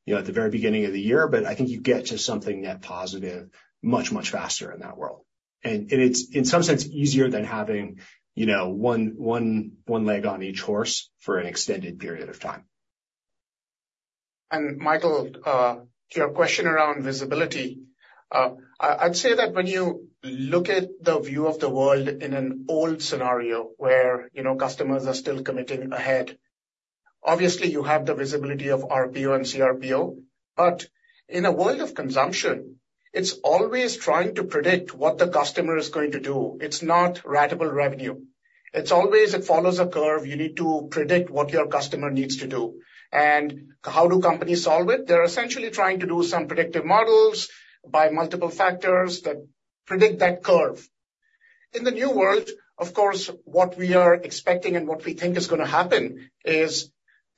you know, at the very beginning of the year, but I think you get to something net positive much, much faster in that world. And, and it's, in some sense, easier than having, you know, one, one, one leg on each horse for an extended period of time. And Michael, to your question around visibility, I'd say that when you look at the view of the world in an old scenario, where, you know, customers are still committing ahead, obviously you have the visibility of RPO and CRPO, but in a world of consumption, it's always trying to predict what the customer is going to do. It's not ratable revenue. It's always it follows a curve. You need to predict what your customer needs to do. And how do companies solve it? They're essentially trying to do some predictive models by multiple factors that predict that curve. In the new world, of course, what we are expecting and what we think is going to happen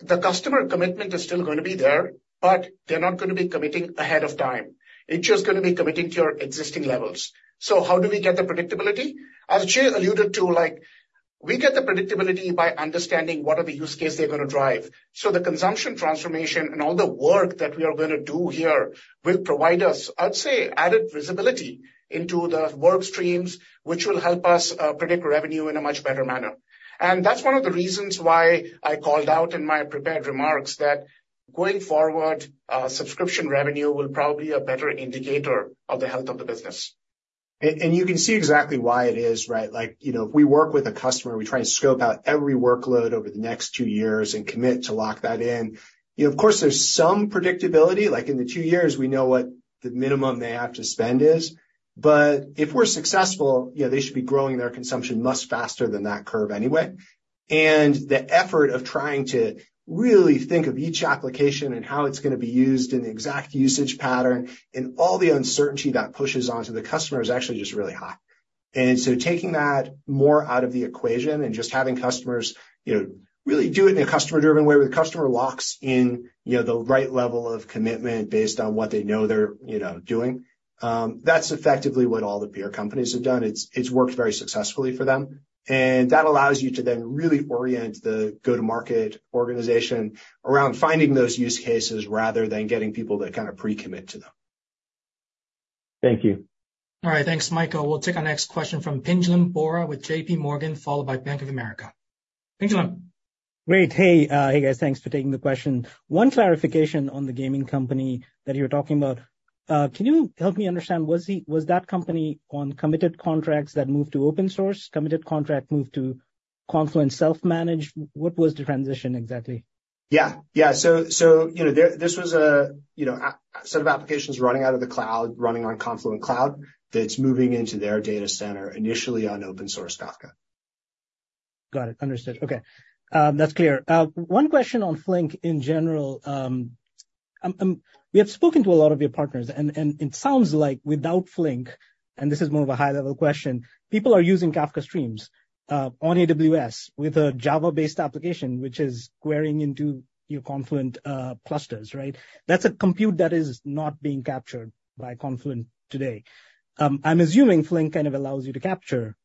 is the customer commitment is still going to be there, but they're not going to be committing ahead of time. It's just going to be committing to your existing levels. So how do we get the predictability? As Jay alluded to, like, we get the predictability by understanding what are the use case they're going to drive. So the consumption transformation and all the work that we are going to do here will provide us, I'd say, added visibility into the work streams, which will help us, predict revenue in a much better manner. And that's one of the reasons why I called out in my prepared remarks that going forward, subscription revenue will probably be a better indicator of the health of the business. And you can see exactly why it is, right? Like, you know, if we work with a customer, we try and scope out every workload over the next two years and commit to lock that in. Of course, there's some predictability, like in the two years, we know what the minimum they have to spend is. But if we're successful, yeah, they should be growing their consumption much faster than that curve anyway. And the effort of trying to really think of each application and how it's going to be used, and the exact usage pattern, and all the uncertainty that pushes onto the customer is actually just really high. Taking that more out of the equation and just having customers, you know, really do it in a customer-driven way, where the customer locks in, you know, the right level of commitment based on what they know they're, you know, doing, that's effectively what all the peer companies have done. It's worked very successfully for them, and that allows you to then really orient the go-to-market organization around finding those use cases rather than getting people to kind of pre-commit to them. Thank you. All right, thanks, Michael. We'll take our next question from Pinjalim Bora with JP Morgan, followed by Bank of America. Pinjal. Great. Hey, guys. Thanks for taking the question. One clarification on the gaming company that you were talking about. Can you help me understand, was that company on committed contracts that moved to open source, committed contract moved to Confluent self-managed? What was the transition exactly? Yeah. So, you know, there... This was a, you know, a set of applications running out of the cloud, running on Confluent Cloud, that's moving into their data center, initially on open source Kafka. Got it. Understood. Okay, that's clear. One question on Flink in general. We have spoken to a lot of your partners, and it sounds like without Flink, and this is more of a high-level question, people are using Kafka Streams on AWS with a Java-based application, which is querying into your Confluent clusters, right? That's a compute that is not being captured by Confluent today. I'm assuming Flink kind of allows you to capture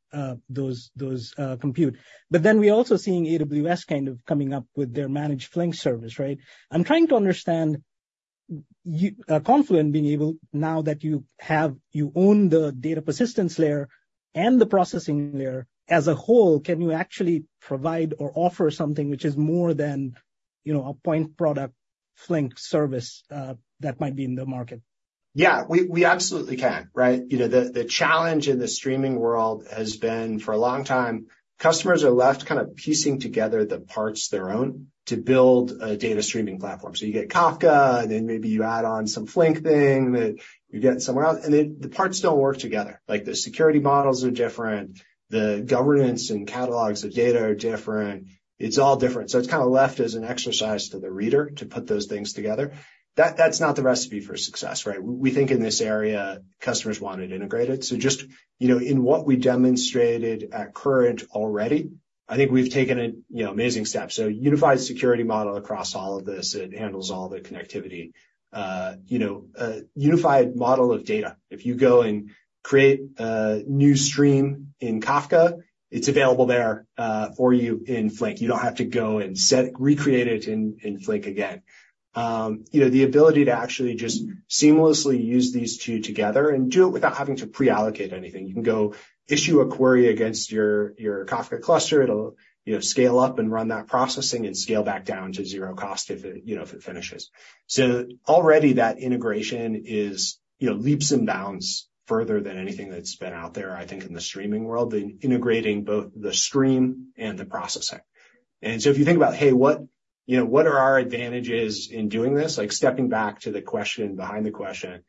those compute. But then we're also seeing AWS kind of coming up with their managed Flink service, right? I'm trying to understand Confluent being able, now that you have, you own the data persistence layer and the processing layer as a whole, can you actually provide or offer something which is more than, you know, a point product Flink service that might be in the market? Yeah, we absolutely can, right? You know, the challenge in the streaming world has been, for a long time, customers are left kind of piecing together the parts their own to build a data streaming platform. So you get Kafka, and then maybe you add on some Flink thing, that you get somewhere else, and then the parts don't work together. Like, the security models are different, the governance and catalogs of data are different. It's all different. So it's kind of left as an exercise to the reader to put those things together. That's not the recipe for success, right? We think in this area, customers want it integrated. So just, you know, in what we demonstrated at Current already, I think we've taken an, you know, amazing step. So unified security model across all of this, it handles all the connectivity. You know, a unified model of data. If you go and create a new stream in Kafka, it's available there for you in Flink. You don't have to go and recreate it in Flink again. You know, the ability to actually just seamlessly use these two together and do it without having to pre-allocate anything. You can go issue a query against your Kafka cluster, it'll, you know, scale up and run that processing and scale back down to zero cost if it, you know, if it finishes. So already that integration is, you know, leaps and bounds further than anything that's been out there, I think, in the streaming world, in integrating both the stream and the processing. And so if you think about, hey, what, you know, what are our advantages in doing this? Like, stepping back to the question behind the question.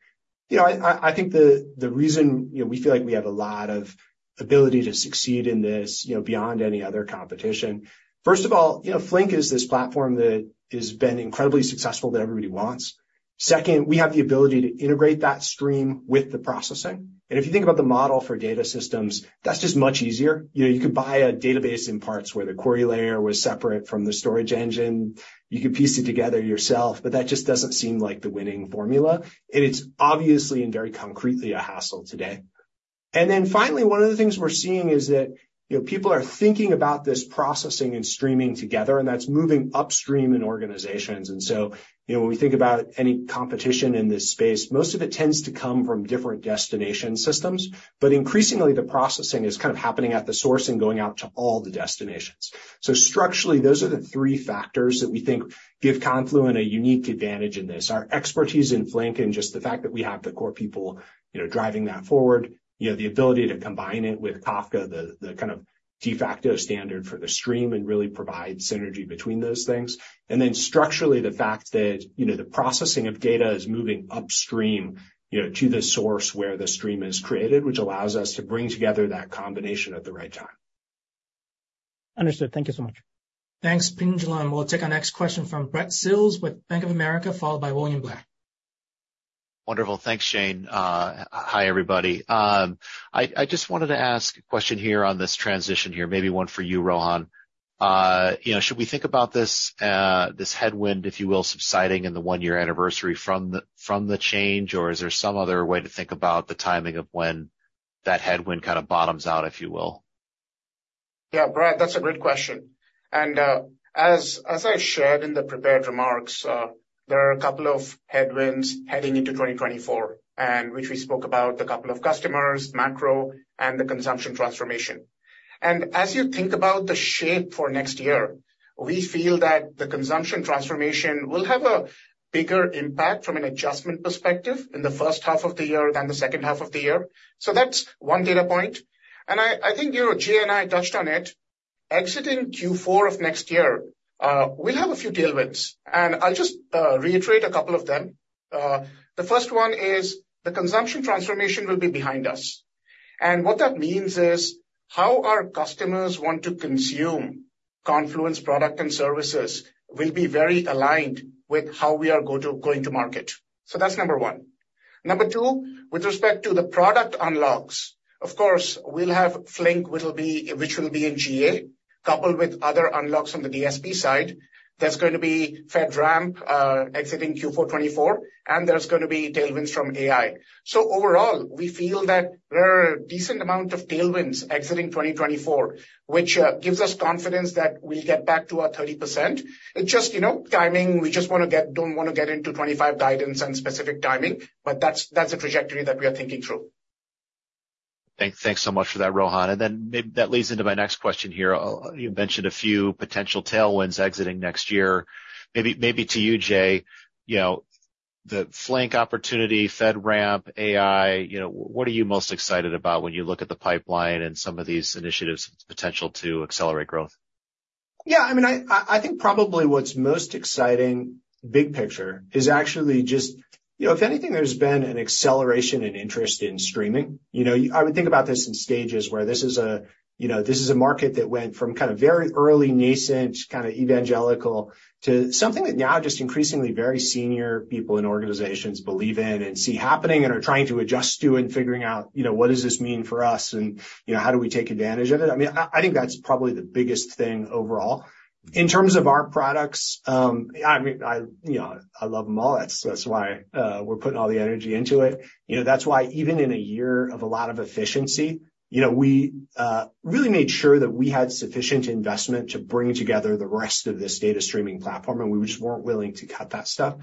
You know, I think the reason, you know, we feel like we have a lot of ability to succeed in this, you know, beyond any other competition. First of all, you know, Flink is this platform that has been incredibly successful that everybody wants. Second, we have the ability to integrate that stream with the processing. And if you think about the model for data systems, that's just much easier. You know, you could buy a database in parts where the query layer was separate from the storage engine. You could piece it together yourself, but that just doesn't seem like the winning formula, and it's obviously and very concretely a hassle today. And then finally, one of the things we're seeing is that, you know, people are thinking about this processing and streaming together, and that's moving upstream in organizations. And so, you know, when we think about any competition in this space, most of it tends to come from different destination systems, but increasingly, the processing is kind of happening at the source and going out to all the destinations. So structurally, those are the three factors that we think give Confluent a unique advantage in this. Our expertise in Flink, and just the fact that we have the core people, you know, driving that forward, you know, the ability to combine it with Kafka, the kind of de facto standard for the stream, and really provide synergy between those things. And then structurally, the fact that, you know, the processing of data is moving upstream, you know, to the source where the stream is created, which allows us to bring together that combination at the right time. Understood. Thank you so much. Thanks, Pinjalim. We'll take our next question from Brad Sills with Bank of America, followed by William Blair. Wonderful. Thanks, Shane. Hi, everybody. I just wanted to ask a question here on this transition here, maybe one for you, Rohan. You know, should we think about this headwind, if you will, subsiding in the one-year anniversary from the change, or is there some other way to think about the timing of when that headwind kind of bottoms out, if you will? Yeah, Brad, that's a great question. And, as I shared in the prepared remarks, there are a couple of headwinds heading into 2024, and which we spoke about, a couple of customers, macro, and the consumption transformation. And as you think about the shape for next year, we feel that the consumption transformation will have a bigger impact from an adjustment perspective in the first half of the year than the second half of the year. So that's one data point. And I think, you know, Jay and I touched on it. Exiting Q4 of next year, we'll have a few tailwinds, and I'll just, reiterate a couple of them. The first one is the consumption transformation will be behind us. And what that means is, how our customers want to consume Confluent's product and services will be very aligned with how we are going to market. So that's number one. Number two, with respect to the product unlocks, of course, we'll have Flink, which will be in GA, coupled with other unlocks on the DSP side. There's going to be FedRAMP exiting Q4 2024, and there's going to be tailwinds from AI. So overall, we feel that there are a decent amount of tailwinds exiting 2024, which gives us confidence that we'll get back to our 30%. It's just, you know, timing. We just don't wanna get into 2025 guidance and specific timing, but that's the trajectory that we are thinking through. Thanks so much for that, Rohan. And then that leads into my next question here. You mentioned a few potential tailwinds exiting next year. Maybe to you, Jay, you know, the Flink opportunity, FedRAMP, AI, you know, what are you most excited about when you look at the pipeline and some of these initiatives' potential to accelerate growth? Yeah, I mean, I think probably what's most exciting, big picture, is actually just... You know, if anything, there's been an acceleration in interest in streaming. You know, I would think about this in stages, where this is a, you know, this is a market that went from kind of very early, nascent, kind of evangelical, to something that now just increasingly very senior people in organizations believe in and see happening, and are trying to adjust to, and figuring out, you know, "What does this mean for us, and, you know, how do we take advantage of it?" I mean, I think that's probably the biggest thing overall. In terms of our products, I mean, I, you know, I love them all. That's, that's why, we're putting all the energy into it. You know, that's why even in a year of a lot of efficiency, you know, we really made sure that we had sufficient investment to bring together the rest of this data streaming platform, and we just weren't willing to cut that stuff.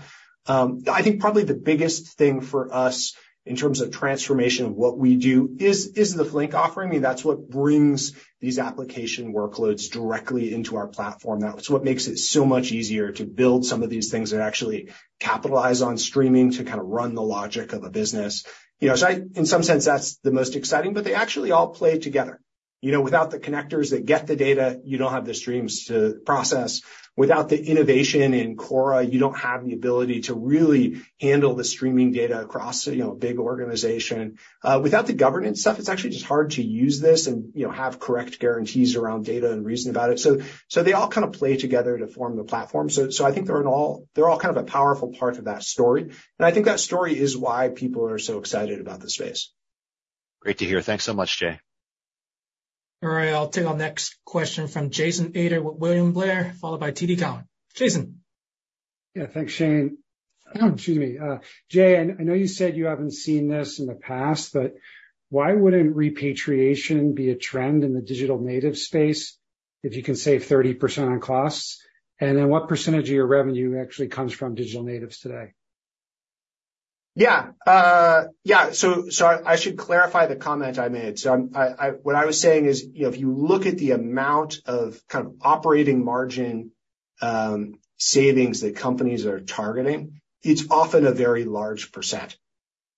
I think probably the biggest thing for us in terms of transformation of what we do is, is the Flink offering. I mean, that's what brings these application workloads directly into our platform. That's what makes it so much easier to build some of these things that actually capitalize on streaming, to kind of run the logic of a business. You know, so I- in some sense, that's the most exciting, but they actually all play together. You know, without the connectors that get the data, you don't have the streams to process. Without the innovation in Kora, you don't have the ability to really handle the streaming data across a, you know, big organization. Without the governance stuff, it's actually just hard to use this and, you know, have correct guarantees around data and reason about it. So, so they all kind of play together to form the platform. So, so I think they're all kind of a powerful part of that story, and I think that story is why people are so excited about this space. Great to hear. Thanks so much, Jay. All right, I'll take our next question from Jason Ader with William Blair, followed by TD Cowen. Jason? Yeah, thanks, Shane. Excuse me. Jay, I, I know you said you haven't seen this in the past, but why wouldn't repatriation be a trend in the digital native space if you can save 30% on costs? And then, what percentage of your revenue actually comes from digital natives today? Yeah, yeah, so, so I should clarify the comment I made. So, what I was saying is, you know, if you look at the amount of kind of operating margin savings that companies are targeting, it's often a very large percent.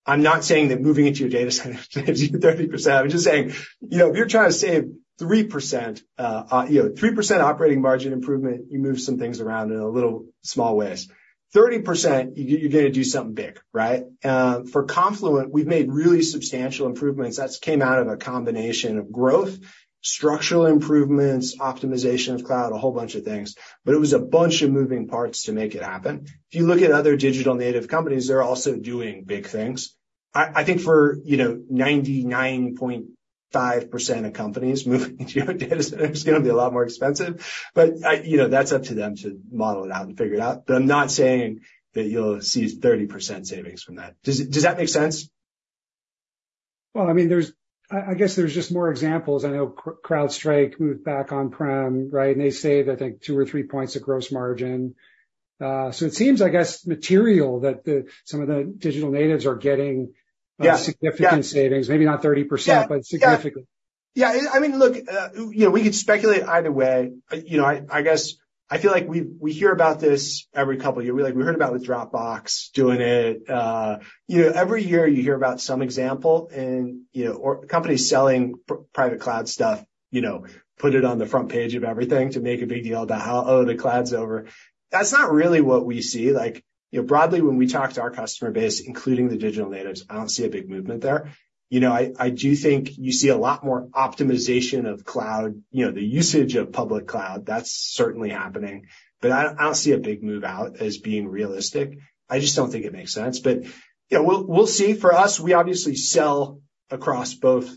I'm not saying that moving into your data center saves you 30%. I'm just saying, you know, if you're trying to save 3%, you know, 3% operating margin improvement, you move some things around in a little small ways. 30%, you're gonna do something big, right? For Confluent, we've made really substantial improvements. That's came out of a combination of growth, structural improvements, optimization of cloud, a whole bunch of things, but it was a bunch of moving parts to make it happen. If you look at other digital native companies, they're also doing big things. I think for, you know, 99.5% of companies, moving into your data center is gonna be a lot more expensive, but I... You know, that's up to them to model it out and figure it out. But I'm not saying that you'll see 30% savings from that. Does that make sense? Well, I mean, there's... I guess there's just more examples. I know CrowdStrike moved back on prem, right? And they saved, I think, 2 or 3 points of gross margin. So it seems, I guess, material that some of the digital natives are getting- Yeah, yeah. -significant savings. Maybe not 30%- Yeah -but significantly. Yeah. I mean, look, you know, we could speculate either way. You know, I guess I feel like we hear about this every couple of years. Like, we heard about with Dropbox doing it. You know, every year you hear about some example and, you know, or companies selling private cloud stuff, you know, put it on the front page of everything to make a big deal about how, "Oh, the cloud's over." That's not really what we see. Like, you know, broadly, when we talk to our customer base, including the digital natives, I don't see a big movement there. You know, I do think you see a lot more optimization of cloud, you know, the usage of public cloud. That's certainly happening, but I don't see a big move out as being realistic. I just don't think it makes sense. But, yeah, we'll, we'll see. For us, we obviously sell across both,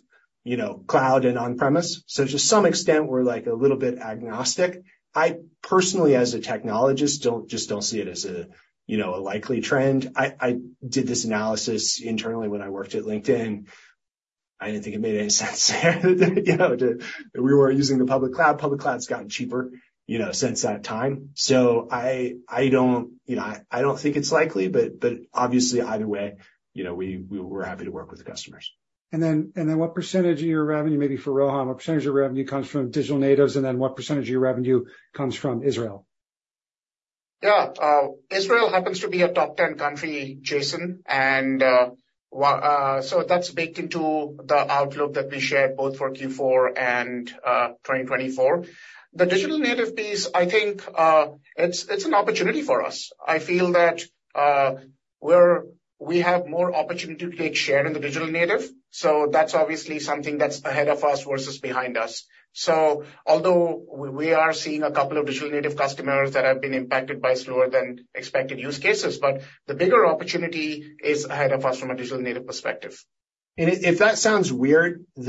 you know, cloud and on-premises. So to some extent, we're, like, a little bit agnostic. I personally, as a technologist, don't just don't see it as a, you know, a likely trend. I, I did this analysis internally when I worked at LinkedIn. I didn't think it made any sense then, you know, to, we were using the public cloud. Public cloud's gotten cheaper, you know, since that time. So I, I don't, you know, I, I don't think it's likely, but, but obviously, either way, you know, we, we're happy to work with the customers. And then what percentage of your revenue, maybe for Rohan, what percentage of revenue comes from digital natives, and then what percentage of your revenue comes from Israel? Yeah. Israel happens to be a top 10 country, Jason, and so that's baked into the outlook that we shared both for Q4 and 2024. The digital native piece, I think, it's an opportunity for us. I feel that we have more opportunity to take share in the digital native, so that's obviously something that's ahead of us versus behind us. So although we are seeing a couple of digital native customers that have been impacted by slower-than-expected use cases, but the bigger opportunity is ahead of us from a digital native perspective. And if that sounds weird, you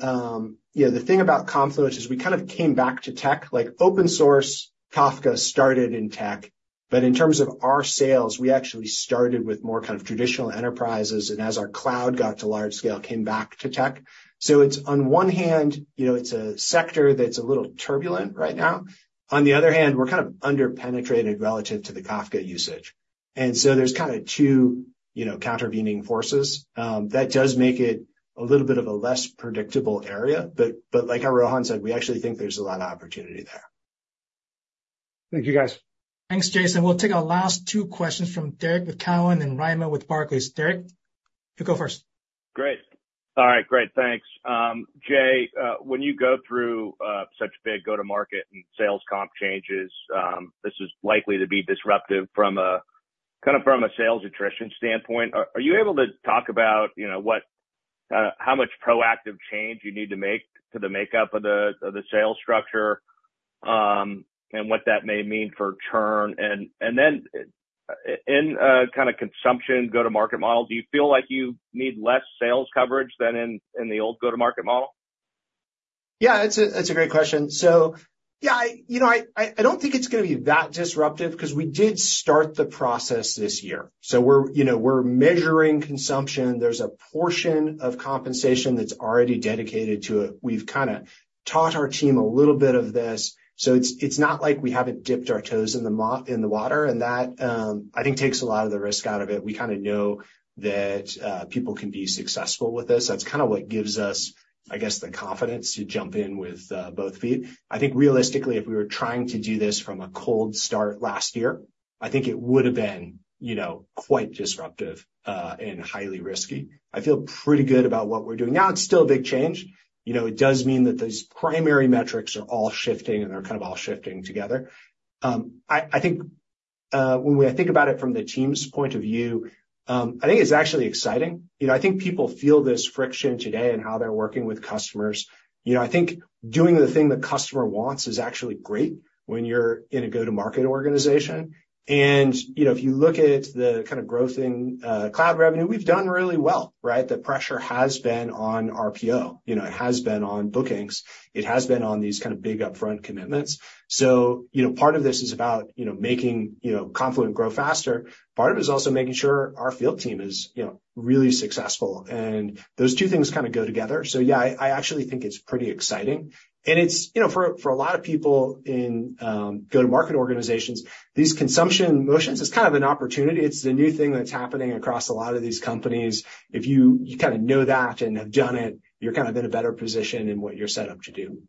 know, the thing about Confluent is we kind of came back to tech. Like, open-source Kafka started in tech, but in terms of our sales, we actually started with more kind of traditional enterprises, and as our cloud got to large scale, came back to tech. So it's on one hand, you know, it's a sector that's a little turbulent right now. On the other hand, we're kind of under-penetrated relative to the Kafka usage. And so there's kind of two, you know, countervening forces. That does make it a little bit of a less predictable area, but like how Rohan said, we actually think there's a lot of opportunity there. Thank you, guys. Thanks, Jason. We'll take our last two questions from Derrick with Cowen and Raimo with Barclays. Derrick, you go first. Great. All right, great, thanks. Jay, when you go through such a big go-to-market and sales comp changes, this is likely to be disruptive from a... kind of from a sales attrition standpoint. Are you able to talk about, you know, what, how much proactive change you need to make to the makeup of the sales structure, and what that may mean for churn? And then, in a kind of consumption go-to-market model, do you feel like you need less sales coverage than in the old go-to-market model? Yeah, it's a great question. So, yeah, you know, I don't think it's gonna be that disruptive, 'cause we did start the process this year. So we're, you know, we're measuring consumption. There's a portion of compensation that's already dedicated to it. We've kind of taught our team a little bit of this, so it's not like we haven't dipped our toes in the water, and that, I think, takes a lot of the risk out of it. We kind of know that people can be successful with this. That's kind of what gives us, I guess, the confidence to jump in with both feet. I think realistically, if we were trying to do this from a cold start last year, I think it would have been, you know, quite disruptive, and highly risky. I feel pretty good about what we're doing now. It's still a big change. You know, it does mean that those primary metrics are all shifting, and they're kind of all shifting together. I think when I think about it from the team's point of view, I think it's actually exciting. You know, I think people feel this friction today in how they're working with customers. You know, I think doing the thing the customer wants is actually great when you're in a go-to-market organization. And, you know, if you look at the kind of growth in cloud revenue, we've done really well, right? The pressure has been on RPO. You know, it has been on bookings. It has been on these kind of big upfront commitments. So, you know, part of this is about, you know, making, you know, Confluent grow faster. Part of it is also making sure our field team is, you know, really successful, and those two things kind of go together. So yeah, I actually think it's pretty exciting. And it's... You know, for a lot of people in go-to-market organizations, these consumption motions is kind of an opportunity. It's a new thing that's happening across a lot of these companies. If you kind of know that and have done it, you're kind of in a better position in what you're set up to do.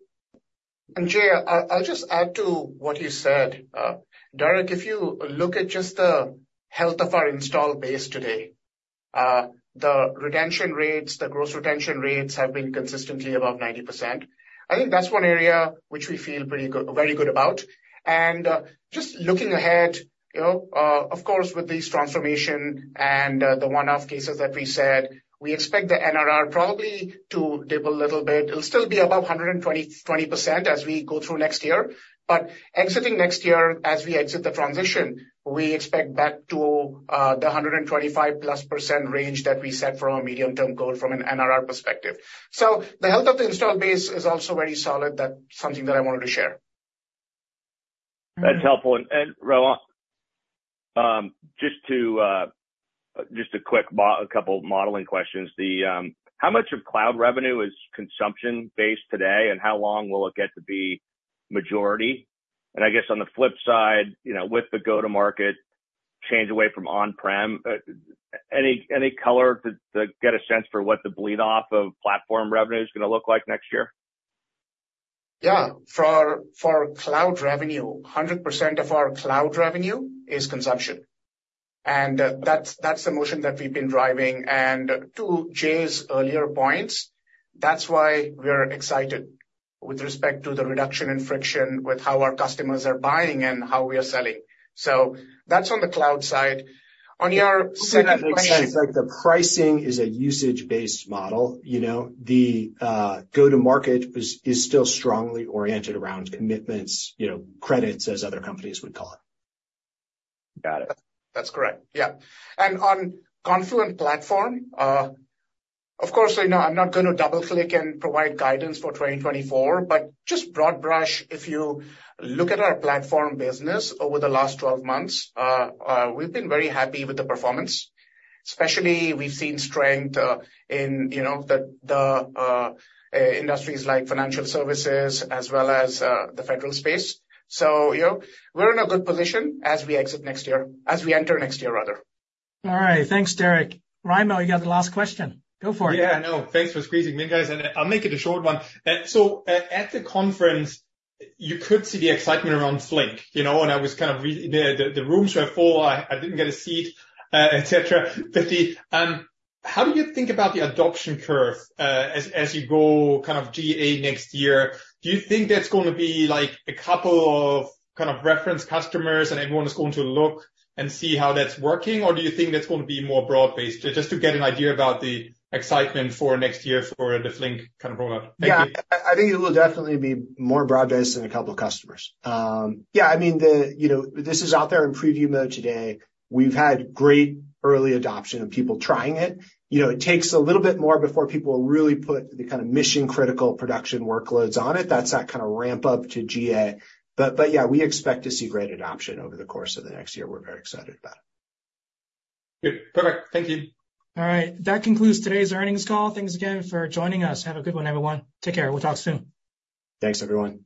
Jay, I'll just add to what you said. Derrick, if you look at just the health of our installed base today, the retention rates, the gross retention rates, have been consistently above 90%. I think that's one area which we feel pretty good—very good about. And just looking ahead, you know, of course, with this transformation and the one-off cases that we said, we expect the NRR probably to dip a little bit. It'll still be above 120-120% as we go through next year. But exiting next year, as we exit the transition, we expect back to the 125%+ range that we set for our medium-term goal from an NRR perspective. The health of the installed base is also very solid. That's something that I wanted to share. That's helpful. And, Rohan, just to, just a quick couple modeling questions. The, how much of cloud revenue is consumption-based today, and how long will it get to be majority? And I guess on the flip side, you know, with the go-to-market change away from on-prem, any, any color to, to get a sense for what the bleed-off of platform revenue is gonna look like next year? Yeah. For cloud revenue, 100% of our cloud revenue is consumption, and that's the motion that we've been driving. And to Jay's earlier points, that's why we're excited with respect to the reduction in friction with how our customers are buying and how we are selling. So that's on the cloud side. On your second question- The pricing is a usage-based model, you know. The go-to-market is still strongly oriented around commitments, you know, credits, as other companies would call it. Got it. That's correct. Yeah. And on Confluent Platform, of course, you know, I'm not going to double-click and provide guidance for 2024, but just broad brush, if you look at our platform business over the last 12 months, we've been very happy with the performance. Especially, we've seen strength in, you know, the, the industries like financial services as well as the federal space. So, you know, we're in a good position as we exit next year, as we enter next year, rather. All right. Thanks, Derrick. Raimo, you got the last question. Go for it. Yeah, I know. Thanks for squeezing me in, guys, and I'll make it a short one. So, at the conference, you could see the excitement around Flink, you know, and the rooms were full. I didn't get a seat, et cetera. But how do you think about the adoption curve, as you go kind of GA next year? Do you think that's going to be, like, a couple of kind of reference customers, and everyone is going to look and see how that's working, or do you think that's going to be more broad-based? Just to get an idea about the excitement for next year for the Flink kind of rollout. Thank you. Yeah. I think it will definitely be more broad-based than a couple of customers. Yeah, I mean, you know, this is out there in preview mode today. We've had great early adoption of people trying it. You know, it takes a little bit more before people really put the kind of mission-critical production workloads on it. That's that kind of ramp up to GA. But yeah, we expect to see great adoption over the course of the next year. We're very excited about it. Good. Perfect. Thank you. All right. That concludes today's earnings call. Thanks again for joining us. Have a good one, everyone. Take care. We'll talk soon. Thanks, everyone.